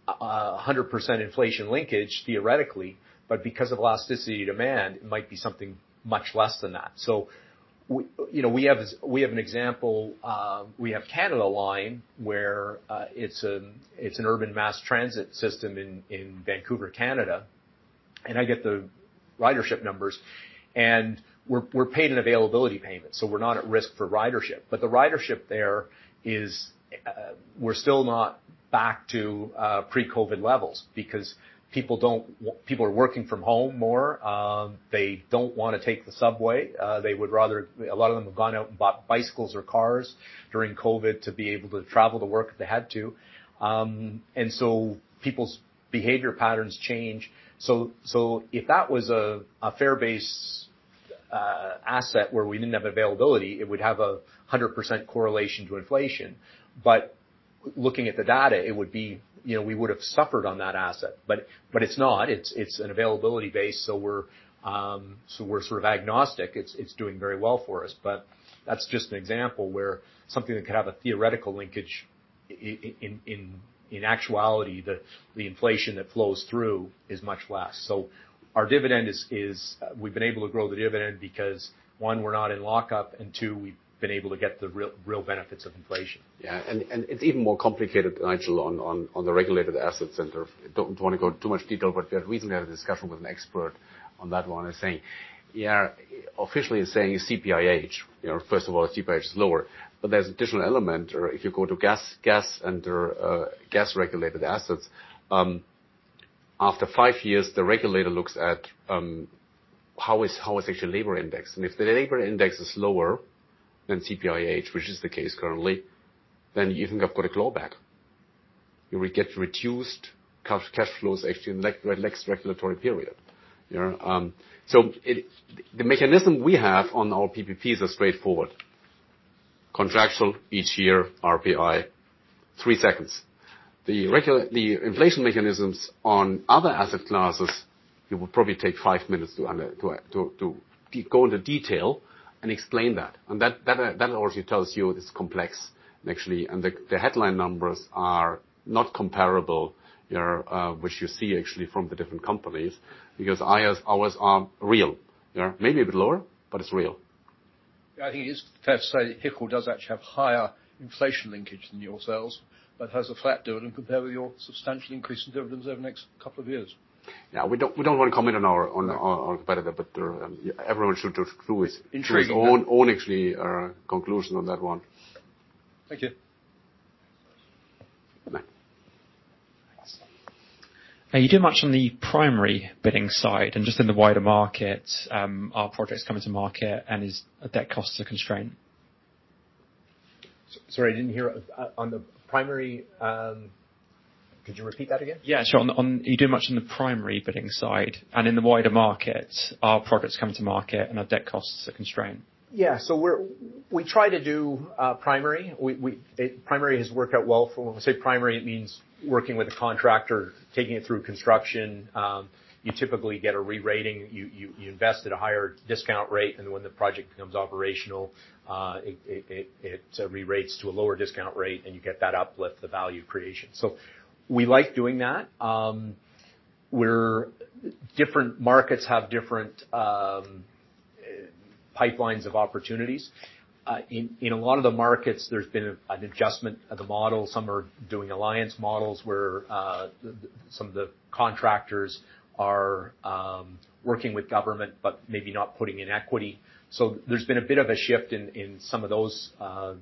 a 100% inflation linkage theoretically, but because of elasticity demand, it might be something much less than that. We, you know, we have an example, we have Canada Line, where it's an urban mass transit system in Vancouver, Canada. I get the ridership numbers. We're paid an availability payment, so we're not at risk for ridership. The ridership there is, we're still not back to pre-COVID levels because people are working from home more. They don't wanna take the subway. They would rather... A lot of them have gone out and bought bicycles or cars during COVID to be able to travel to work if they had to. People's behavior patterns change. If that was a fair-base asset where we didn't have availability, it would have 100% correlation to inflation. Looking at the data, it would be-- You know, we would've suffered on that asset. It's not. It's an availability base, so we're sort of agnostic. It's doing very well for us. That's just an example where something that could have a theoretical linkage in actuality, the inflation that flows through is much less. Our dividend is-- We've been able to grow the dividend because, one, we're not in lock-up, and two, we've been able to get the real benefits of inflation. Yeah. It's even more complicated, Nigel, on the regulated assets center. Don't want to go into too much detail, but recently I had a discussion with an expert on that one and saying, yeah, officially it's CPIH. You know, first of all, CPIH is lower. There's additional element, or if you go to gas under gas-regulated assets, after 5 years, the regulator looks at how is actually labor index. If the labor index is lower than CPIH, which is the case currently, then you think I've got a clawback. You will get reduced cash flows actually in the next regulatory period. You know? The mechanism we have on our PPPs are straightforward. Contractual each year, RPI, 3-seconds. The inflation mechanisms on other asset classes, it would probably take five minutes to go into detail and explain that. That already tells you it's complex, and actually, the headline numbers are not comparable, you know, which you see actually from the different companies, because ours are real. You know? Maybe a bit lower, but it's real. I think it is fair to say HICL does actually have higher inflation linkage than yourselves, but has a flat dividend compared with your substantial increase in dividends over the next couple of years. Yeah, we don't wanna comment on our competitor. There, everyone should just do. Own actually, conclusion on that one. Thank you. Bye. You do much on the primary bidding side and just in the wider market, are projects coming to market, and are debt costs a constraint? Sorry, I didn't hear. On the primary, could you repeat that again? Yeah, sure. On, you do much in the primary bidding side and in the wider market, are projects coming to market, and are debt costs a constraint? We try to do primary. Primary has worked out well for. When we say primary, it means working with a contractor, taking it through construction. You typically get a re-rating. You invest at a higher discount rate, and when the project becomes operational, it re-rates to a lower discount rate, and you get that uplift, the value creation. We like doing that. Different markets have different pipelines of opportunities. In a lot of the markets, there's been an adjustment of the model. Some are doing alliance models where some of the contractors are working with government, but maybe not putting in equity. There's been a bit of a shift in some of those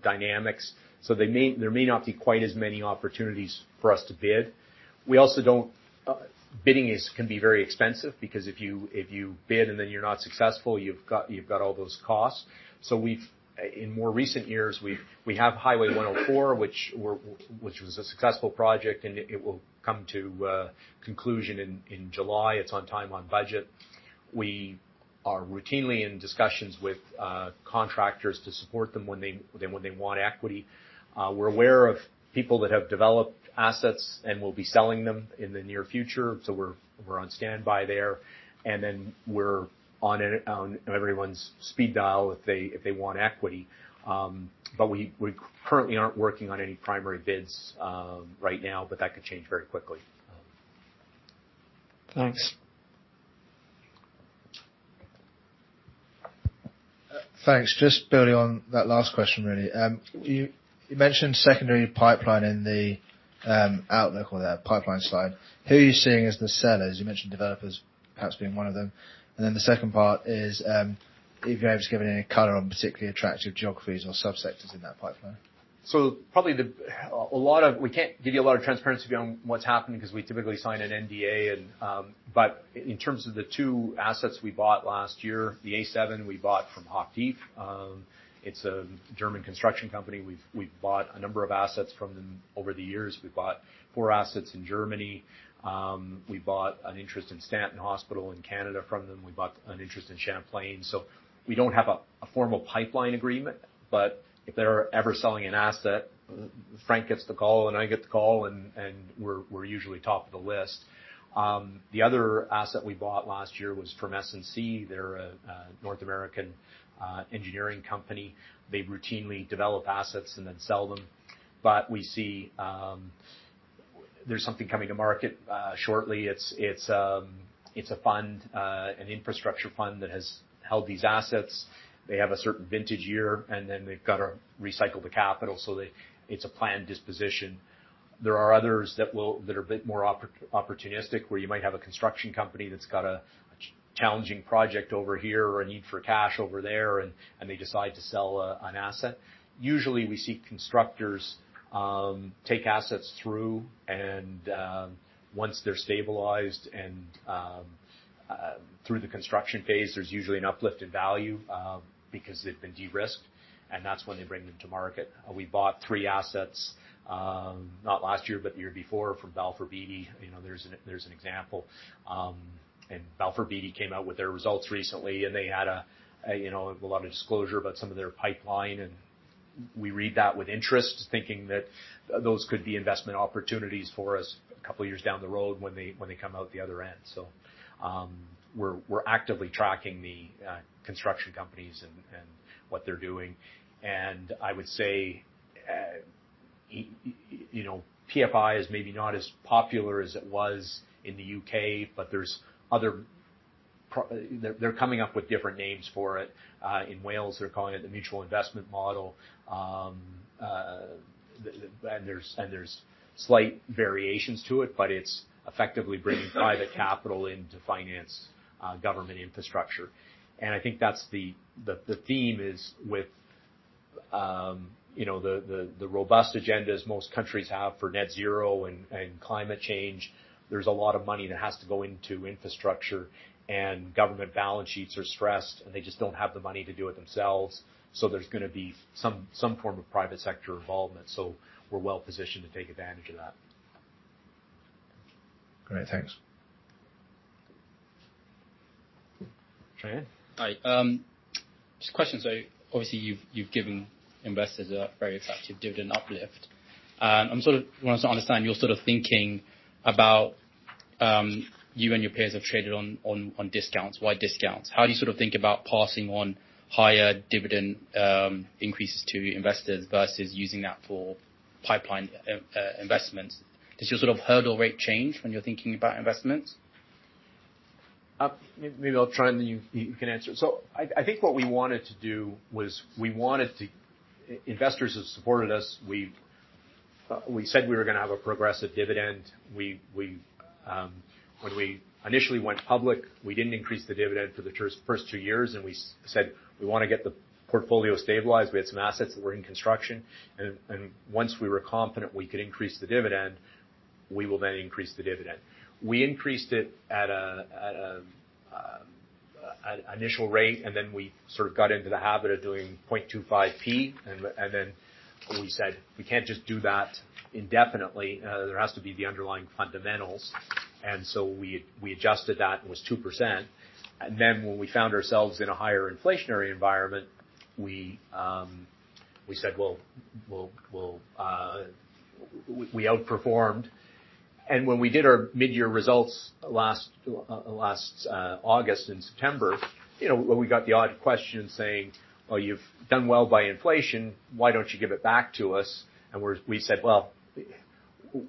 dynamics. There may not be quite as many opportunities for us to bid. We also don't. Bidding can be very expensive because if you, if you bid and then you're not successful, you've got all those costs. We have Highway 104 which was a successful project, and it will come to conclusion in July. It's on time, on budget. We are routinely in discussions with contractors to support them when they want equity. We're aware of people that have developed assets and will be selling them in the near future, so we're on standby there. We're on everyone's speed dial if they want equity. We currently aren't working on any primary bids right now, but that could change very quickly. Thanks. Thanks. Just building on that last question, really. You mentioned secondary pipeline in the outlook or that pipeline slide. Who are you seeing as the sellers? You mentioned developers perhaps being one of them. The second part is, if you're able to just give any color on particularly attractive geographies or sub-sectors in that pipeline. We can't give you a lot of transparency on what's happening 'cause we typically sign an NDA. In terms of the two assets we bought last year the A7 we bought from Hochtief. It's a German construction company. We've bought a number of assets from them over the years. We bought four assets in Germany. We bought an interest in Stanton Hospital in Canada from them. We bought an interest in Champlain. We don't have a formal pipeline agreement, but if they're ever selling an asset, Frank gets the call, and I get the call and we're usually top of the list. The other asset we bought last year was from SNC. They're a North American engineering company. They routinely develop assets and then sell them. We see, there's something coming to market shortly. It's a fund, an infrastructure fund that has held these assets. They have a certain vintage year, then they've gotta recycle the capital so that it's a planned disposition. There are others that are a bit more opportunistic, where you might have a construction company that's got a challenging project over here or a need for cash over there, and they decide to sell an asset. Usually, we see constructors take assets through and, once they're stabilized and, through the construction phase, there's usually an uplift in value, because they've been de-risked, and that's when they bring them to market. We bought three assets, not last year, but the year before from Balfour Beatty. You know, there's an example. Balfour Beatty came out with their results recently, and they had a, you know, a lot of disclosure about some of their pipeline, and we read that with interest, thinking that those could be investment opportunities for us a couple years down the road when they, when they come out the other end. We're, we're actively tracking the construction companies and what they're doing. I would say, you know, PFI is maybe not as popular as it was in the U.K., but there's other They're coming up with different names for it. In Wales, they're calling it the Mutual Investment Model. There's slight variations to it, but it's effectively bringing private capital in to finance government infrastructure. I think that's the theme is with, you know, the robust agendas most countries have for net zero and climate change. There's a lot of money that has to go into infrastructure, and government balance sheets are stressed, and they just don't have the money to do it themselves. There's gonna be some form of private sector involvement. We're well positioned to take advantage of that. Great. Thanks. Shane. Hi. Just questions. Obviously you've given investors a very attractive dividend uplift. I'm sort of want to understand your sort of thinking about, you and your peers have traded on discounts. Why discounts? How do you sort of think about passing on higher dividend increases to investors versus using that for pipeline investments? Does your sort of hurdle rate change when you're thinking about investments? Maybe I'll try and then you can answer. I think what we wanted to do was we wanted to. Investors have supported us. We've, we said we were gonna have a progressive dividend. We, when we initially went public, we didn't increase the dividend for the first two years, and we said we wanna get the portfolio stabilized. We had some assets that were in construction. Once we were confident we could increase the dividend, we will then increase the dividend. We increased it at a initial rate, and then we sort of got into the habit of doing 0.25 P. Then we said, we can't just do that indefinitely, there has to be the underlying fundamentals. We adjusted that and was 2%. When we found ourselves in a higher inflationary environment, we said, Well, we'll outperform. When we did our mid-year results last August and September, you know, when we got the odd question saying, "Well, you've done well by inflation, why don't you give it back to us?" We said, "Well,"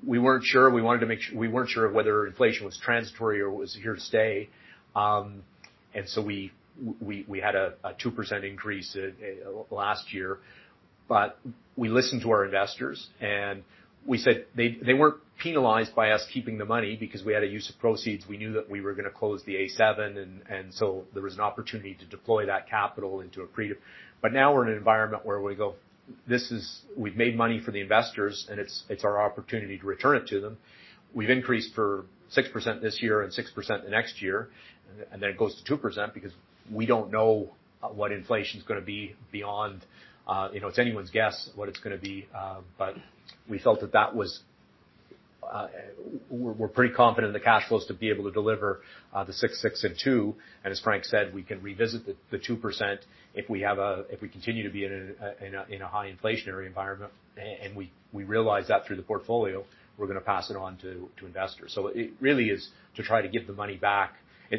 We weren't sure. We wanted to make sure. We weren't sure of whether inflation was transitory or was here to stay. So we had a 2% increase last year. We listened to our investors, and we said they weren't penalized by us keeping the money because we had a use of proceeds. We knew that we were gonna close the A7, so there was an opportunity to deploy that capital into a. Now we're in an environment where we go, we've made money for the investors, and it's our opportunity to return it to them. We've increased for 6% this year and 6% the next year, and then it goes to 2% because we don't know what inflation's gonna be beyond, you know, it's anyone's guess what it's gonna be. We felt that that was, we're pretty confident in the cash flows to be able to deliver the 6% and 2%. As Frank said, we can revisit the 2% if we continue to be in a high inflationary environment. We realize that through the portfolio, we're gonna pass it on to investors. It really is to try to give the money back.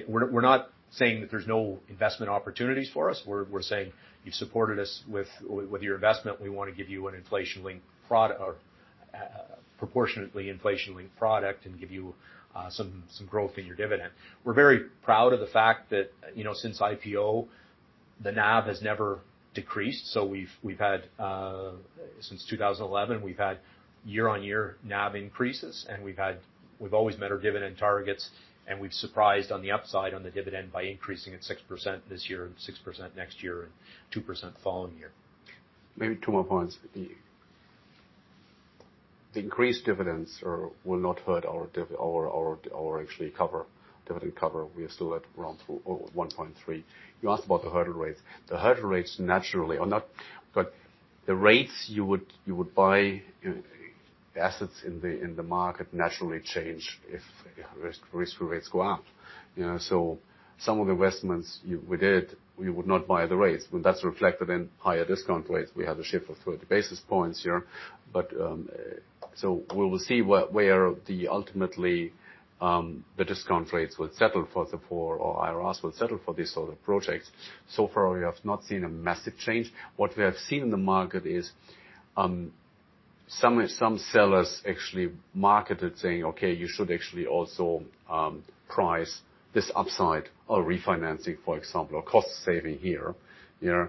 We're not saying that there's no investment opportunities for us. We're saying you've supported us with your investment. We wanna give you an inflation-linked or proportionately inflation-linked product and give you some growth in your dividend. We're very proud of the fact that, you know, since IPO, the NAV has never decreased. We've had since 2011, we've had year-on-year NAV increases, and we've always met our dividend targets, and we've surprised on the upside on the dividend by increasing it 6% this year and 6% next year and 2% following year. Maybe two more points. The increased dividends or will not hurt our or actually cover dividend cover. We are still at around 1.3. The hurdle rates naturally are not... The rates you would, you would buy assets in the market naturally change if risk rates go up. You know, so some of the investments we did, we would not buy the rates. Well, that's reflected in higher discount rates. We have a shift of 30 basis points here. We will see where the ultimately the discount rates will settle further for or IRAs will settle for these sort of projects. So far, we have not seen a massive change. What we have seen in the market is, some sellers actually marketed saying, "Okay, you should actually also price this upside or refinancing, for example, or cost saving here," you know.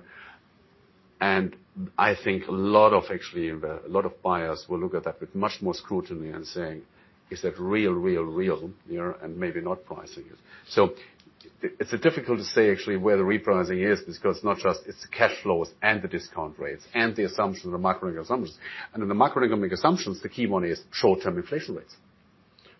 I think a lot of actually a lot of buyers will look at that with much more scrutiny and saying, "Is that real, real?" You know, and maybe not pricing it. It's, it's difficult to say actually where the repricing is because it's not just, it's the cash flows and the discount rates and the assumption, the macroeconomic assumptions. In the macroeconomic assumptions, the key one is short-term inflation rates.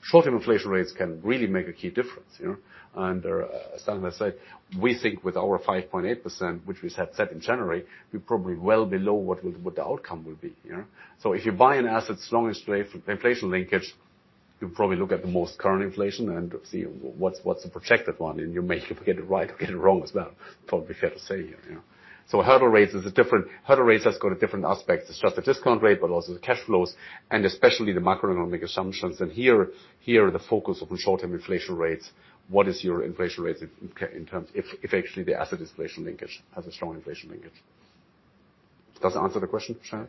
Short-term inflation rates can really make a key difference, you know. As, as Simon has said, we think with our 5.8%, which we had set in January, we're probably well below what will, what the outcome will be, you know. If you buy an asset's longest inflation linkage, you probably look at the most current inflation and see what's the projected one, and you may get it right or get it wrong as well. Probably fair to say, you know. Hurdle rates is a different-- Hurdle rates has got a different aspect. It's not the discount rate, but also the cash flows and especially the macroeconomic assumptions. Here, here, the focus on short-term inflation rates, what is your inflation rates in terms... If, if actually the asset inflation linkage has a strong inflation linkage. Does that answer the question, Sharon?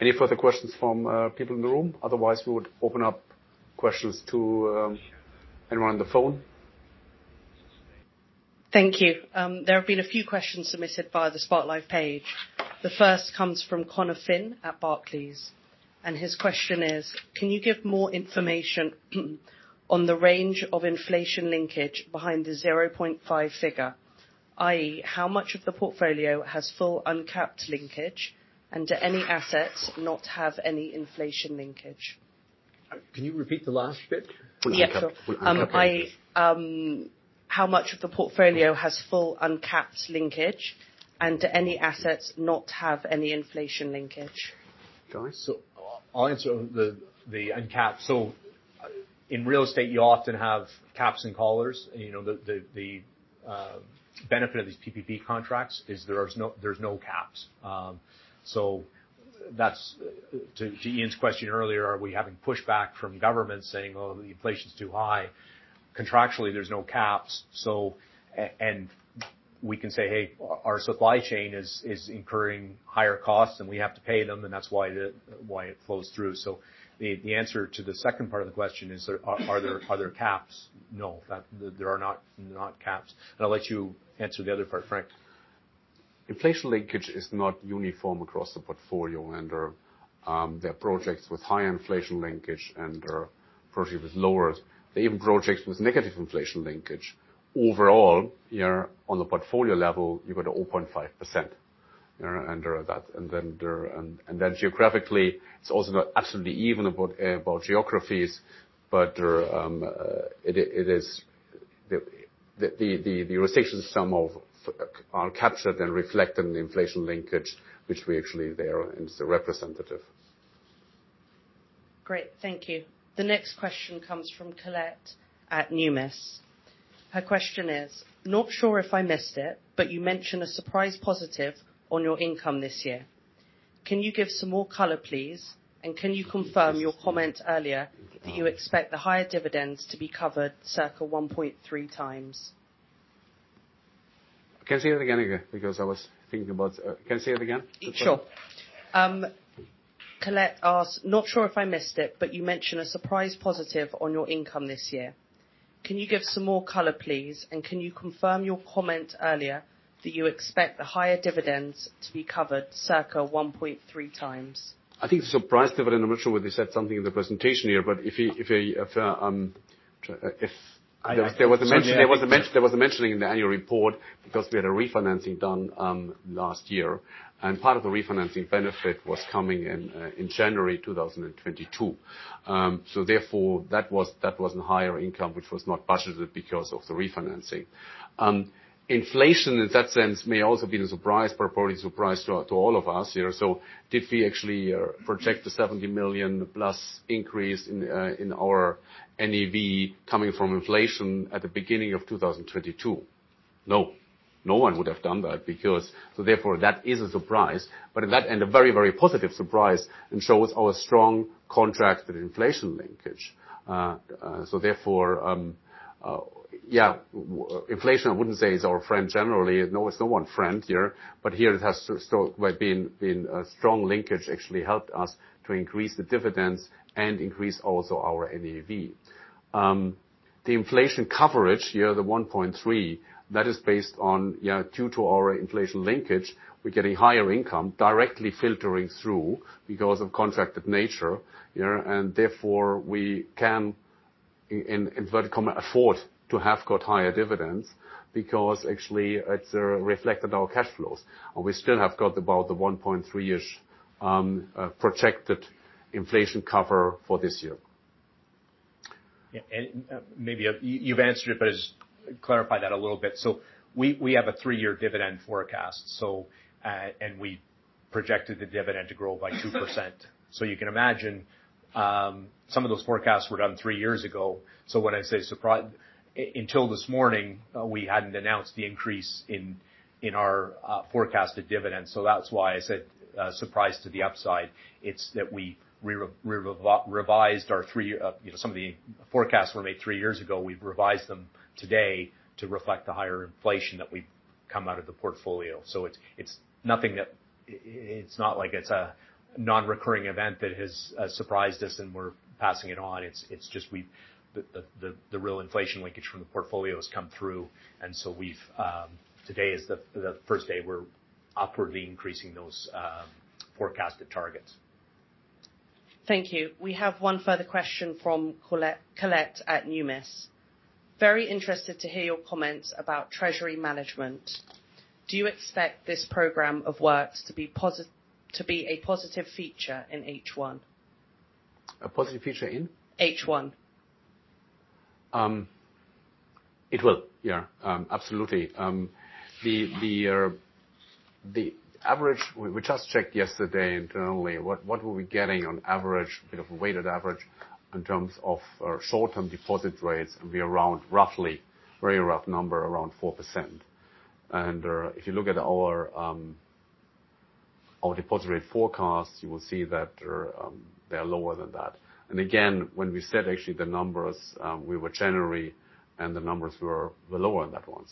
Any further questions from people in the room? Otherwise, we would open up questions to anyone on the phone. Thank you. There have been a few questions submitted via the Spotlight page. The first comes from Conor Finn at Barclays. His question is: Can you give more information on the range of inflation linkage behind the 0.5 figure, i.e., how much of the portfolio has full uncapped linkage, and do any assets not have any inflation linkage? Can you repeat the last bit? Yeah, sure. With the uncapped linkage. How much of the portfolio has full uncapped linkage, and do any assets not have any inflation linkage? Duncan? I'll answer the uncapped. In real estate, you often have caps and collars. The benefit of these PPP contracts is there's no caps. To Nigel's question earlier, are we having pushback from government saying, "Oh, the inflation's too high." Contractually, there's no caps. We can say, "Hey, our supply chain is incurring higher costs, and we have to pay them, and that's why it flows through." The answer to the second part of the question is, are there caps? No. There are not caps. I'll let you answer the other part, Frank. Inflation linkage is not uniform across the portfolio. There are projects with high inflation linkage and/or projects with lower. There are even projects with negative inflation linkage. Overall, you know, on the portfolio level, you've got 0.5%. You know, there are that. Then geographically, it's also not absolutely even about geographies. There, it is the restriction sum of are captured and reflected in the inflation linkage which we actually there is a representative. Great. Thank you. The next question comes from Colette at Numis. Her question is, "Not sure if I missed it, but you mentioned a surprise positive on your income this year. Can you give some more color, please? Can you confirm your comment earlier, that you expect the higher dividends to be covered circa 1.3 times? Can you say that again? Can you say it again? Sure. Colette asked, "Not sure if I missed it, but you mentioned a surprise positive on your income this year. Can you give some more color, please? Can you confirm your comment earlier, that you expect the higher dividends to be covered circa 1.3x? I think the surprise dividend, I'm not sure whether you said something in the presentation here, but if you, if- There was a mention- There was a mention in the annual report because we had a refinancing done, last year. Part of the refinancing benefit was coming in January 2022. Therefore, that was in higher income, which was not budgeted because of the refinancing. Inflation in that sense may also been a surprise, probably surprise to all of us here. Did we actually project the 70 million+ increase in our NAV coming from inflation at the beginning of 2022? No. No one would have done that because... Therefore, that is a surprise. In that end, a very, very positive surprise, and shows our strong contracted inflation linkage. Therefore, yeah, inflation, I wouldn't say is our friend generally. No, it's no one friend here. Here, it has to still by being a strong linkage, actually helped us to increase the dividends and increase also our NAV. The inflation coverage, you know, the 1.3, that is based on, you know, due to our inflation linkage, we're getting higher income directly filtering through because of contracted nature. Yeah. Therefore, we can, in inverted comma, "afford" to have got higher dividends because actually it's reflected in our cash flows. We still have got about the 1.3-ish projected inflation cover for this year. Yeah. Maybe you've answered it, but just clarify that a little bit. We, we have a 3-year dividend forecast. We projected the dividend to grow by 2%. You can imagine, some of those forecasts were done 3 years ago. When I say surprise-- Until this morning, we hadn't announced the increase in our forecasted dividends. That's why I said, surprise to the upside. It's that we revised our three, you know, some of the forecasts were made three years ago. We've revised them today to reflect the higher inflation that we've come out of the portfolio. It's, it's nothing that-- It's not like it's a non-recurring event that has surprised us, and we're passing it on. It's, it's just we've... The real inflation linkage from the portfolio has come through. Today is the first day we're upwardly increasing those forecasted targets. Thank you. We have one further question from Colette at Numis. "Very interested to hear your comments about treasury management. Do you expect this program of works to be a positive feature in H one? A positive feature in? H1. It will. Yeah. Absolutely. The average. We just checked yesterday internally what were we getting on average, bit of a weighted average in terms of our short-term deposit rates, and around roughly, very rough number, around 4%. If you look at our deposit rate forecast, you will see that they're lower than that. Again, when we said actually the numbers, we were generally, and the numbers were lower on that one.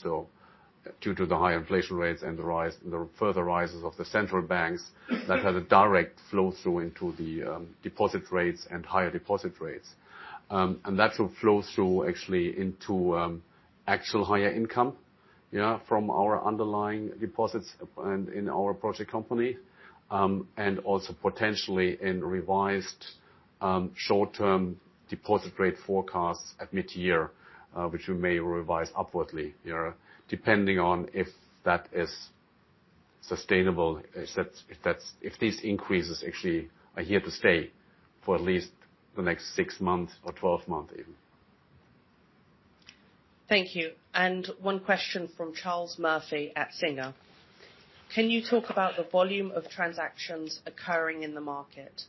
Due to the high inflation rates and the rise, the further rises of the central banks, that has a direct flow-through into the deposit rates and higher deposit rates. That will flow through actually into actual higher income, you know, from our underlying deposits and in our project company, and also potentially in revised short-term deposit rate forecasts at mid-year, which we may revise upwardly, you know, depending on if that is sustainable, if these increases actually are here to stay for at least the next six months or 12 month even. Thank you. One question from Charles Murphy at Singer. "Can you talk about the volume of transactions occurring in the market?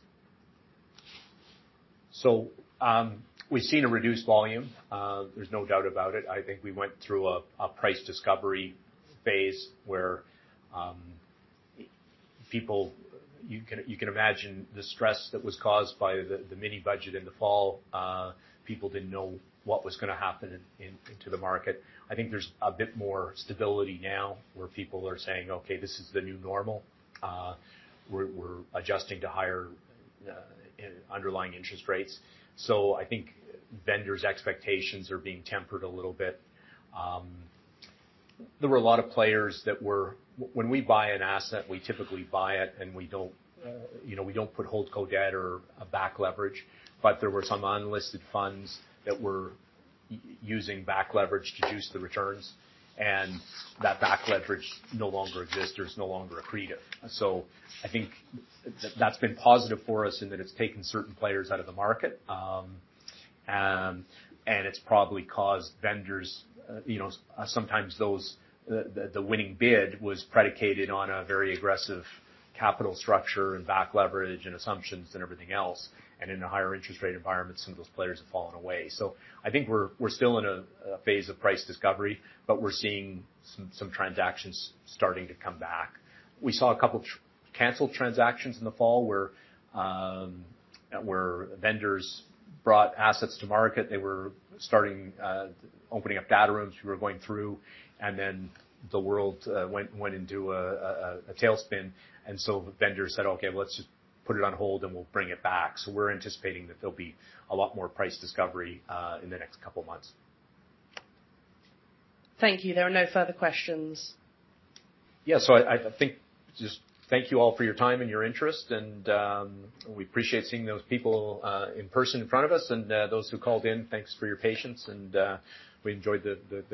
We've seen a reduced volume. There's no doubt about it. I think we went through a price discovery phase. You can imagine the stress that was caused by the mini budget in the fall. People didn't know what was gonna happen to the market. I think there's a bit more stability now, where people are saying, "Okay, this is the new normal. We're adjusting to higher underlying interest rates." I think vendors' expectations are being tempered a little bit. There were a lot of players. When we buy an asset, we typically buy it, and we don't, you know, we don't put holdco debt or a back leverage. There were some unlisted funds that were using back leverage to juice the returns. That back leverage no longer exists. There's no longer a creative. I think that's been positive for us in that it's taken certain players out of the market. And it's probably caused vendors, you know, sometimes those, the winning bid was predicated on a very aggressive capital structure and back leverage and assumptions and everything else. In a higher interest rate environment, some of those players have fallen away. I think we're still in a phase of price discovery, but we're seeing some transactions starting to come back. We saw a couple canceled transactions in the fall where vendors brought assets to market. They were starting opening up data rooms. We were going through, and then the world went into a tailspin. The vendors said, "Okay, well, let's just put it on hold, and we'll bring it back." We're anticipating that there'll be a lot more price discovery in the next couple of months. Thank you. There are no further questions. Yeah. I think, Just thank you all for your time and your interest. We appreciate seeing those people in person in front of us. Those who called in, thanks for your patience. We enjoyed the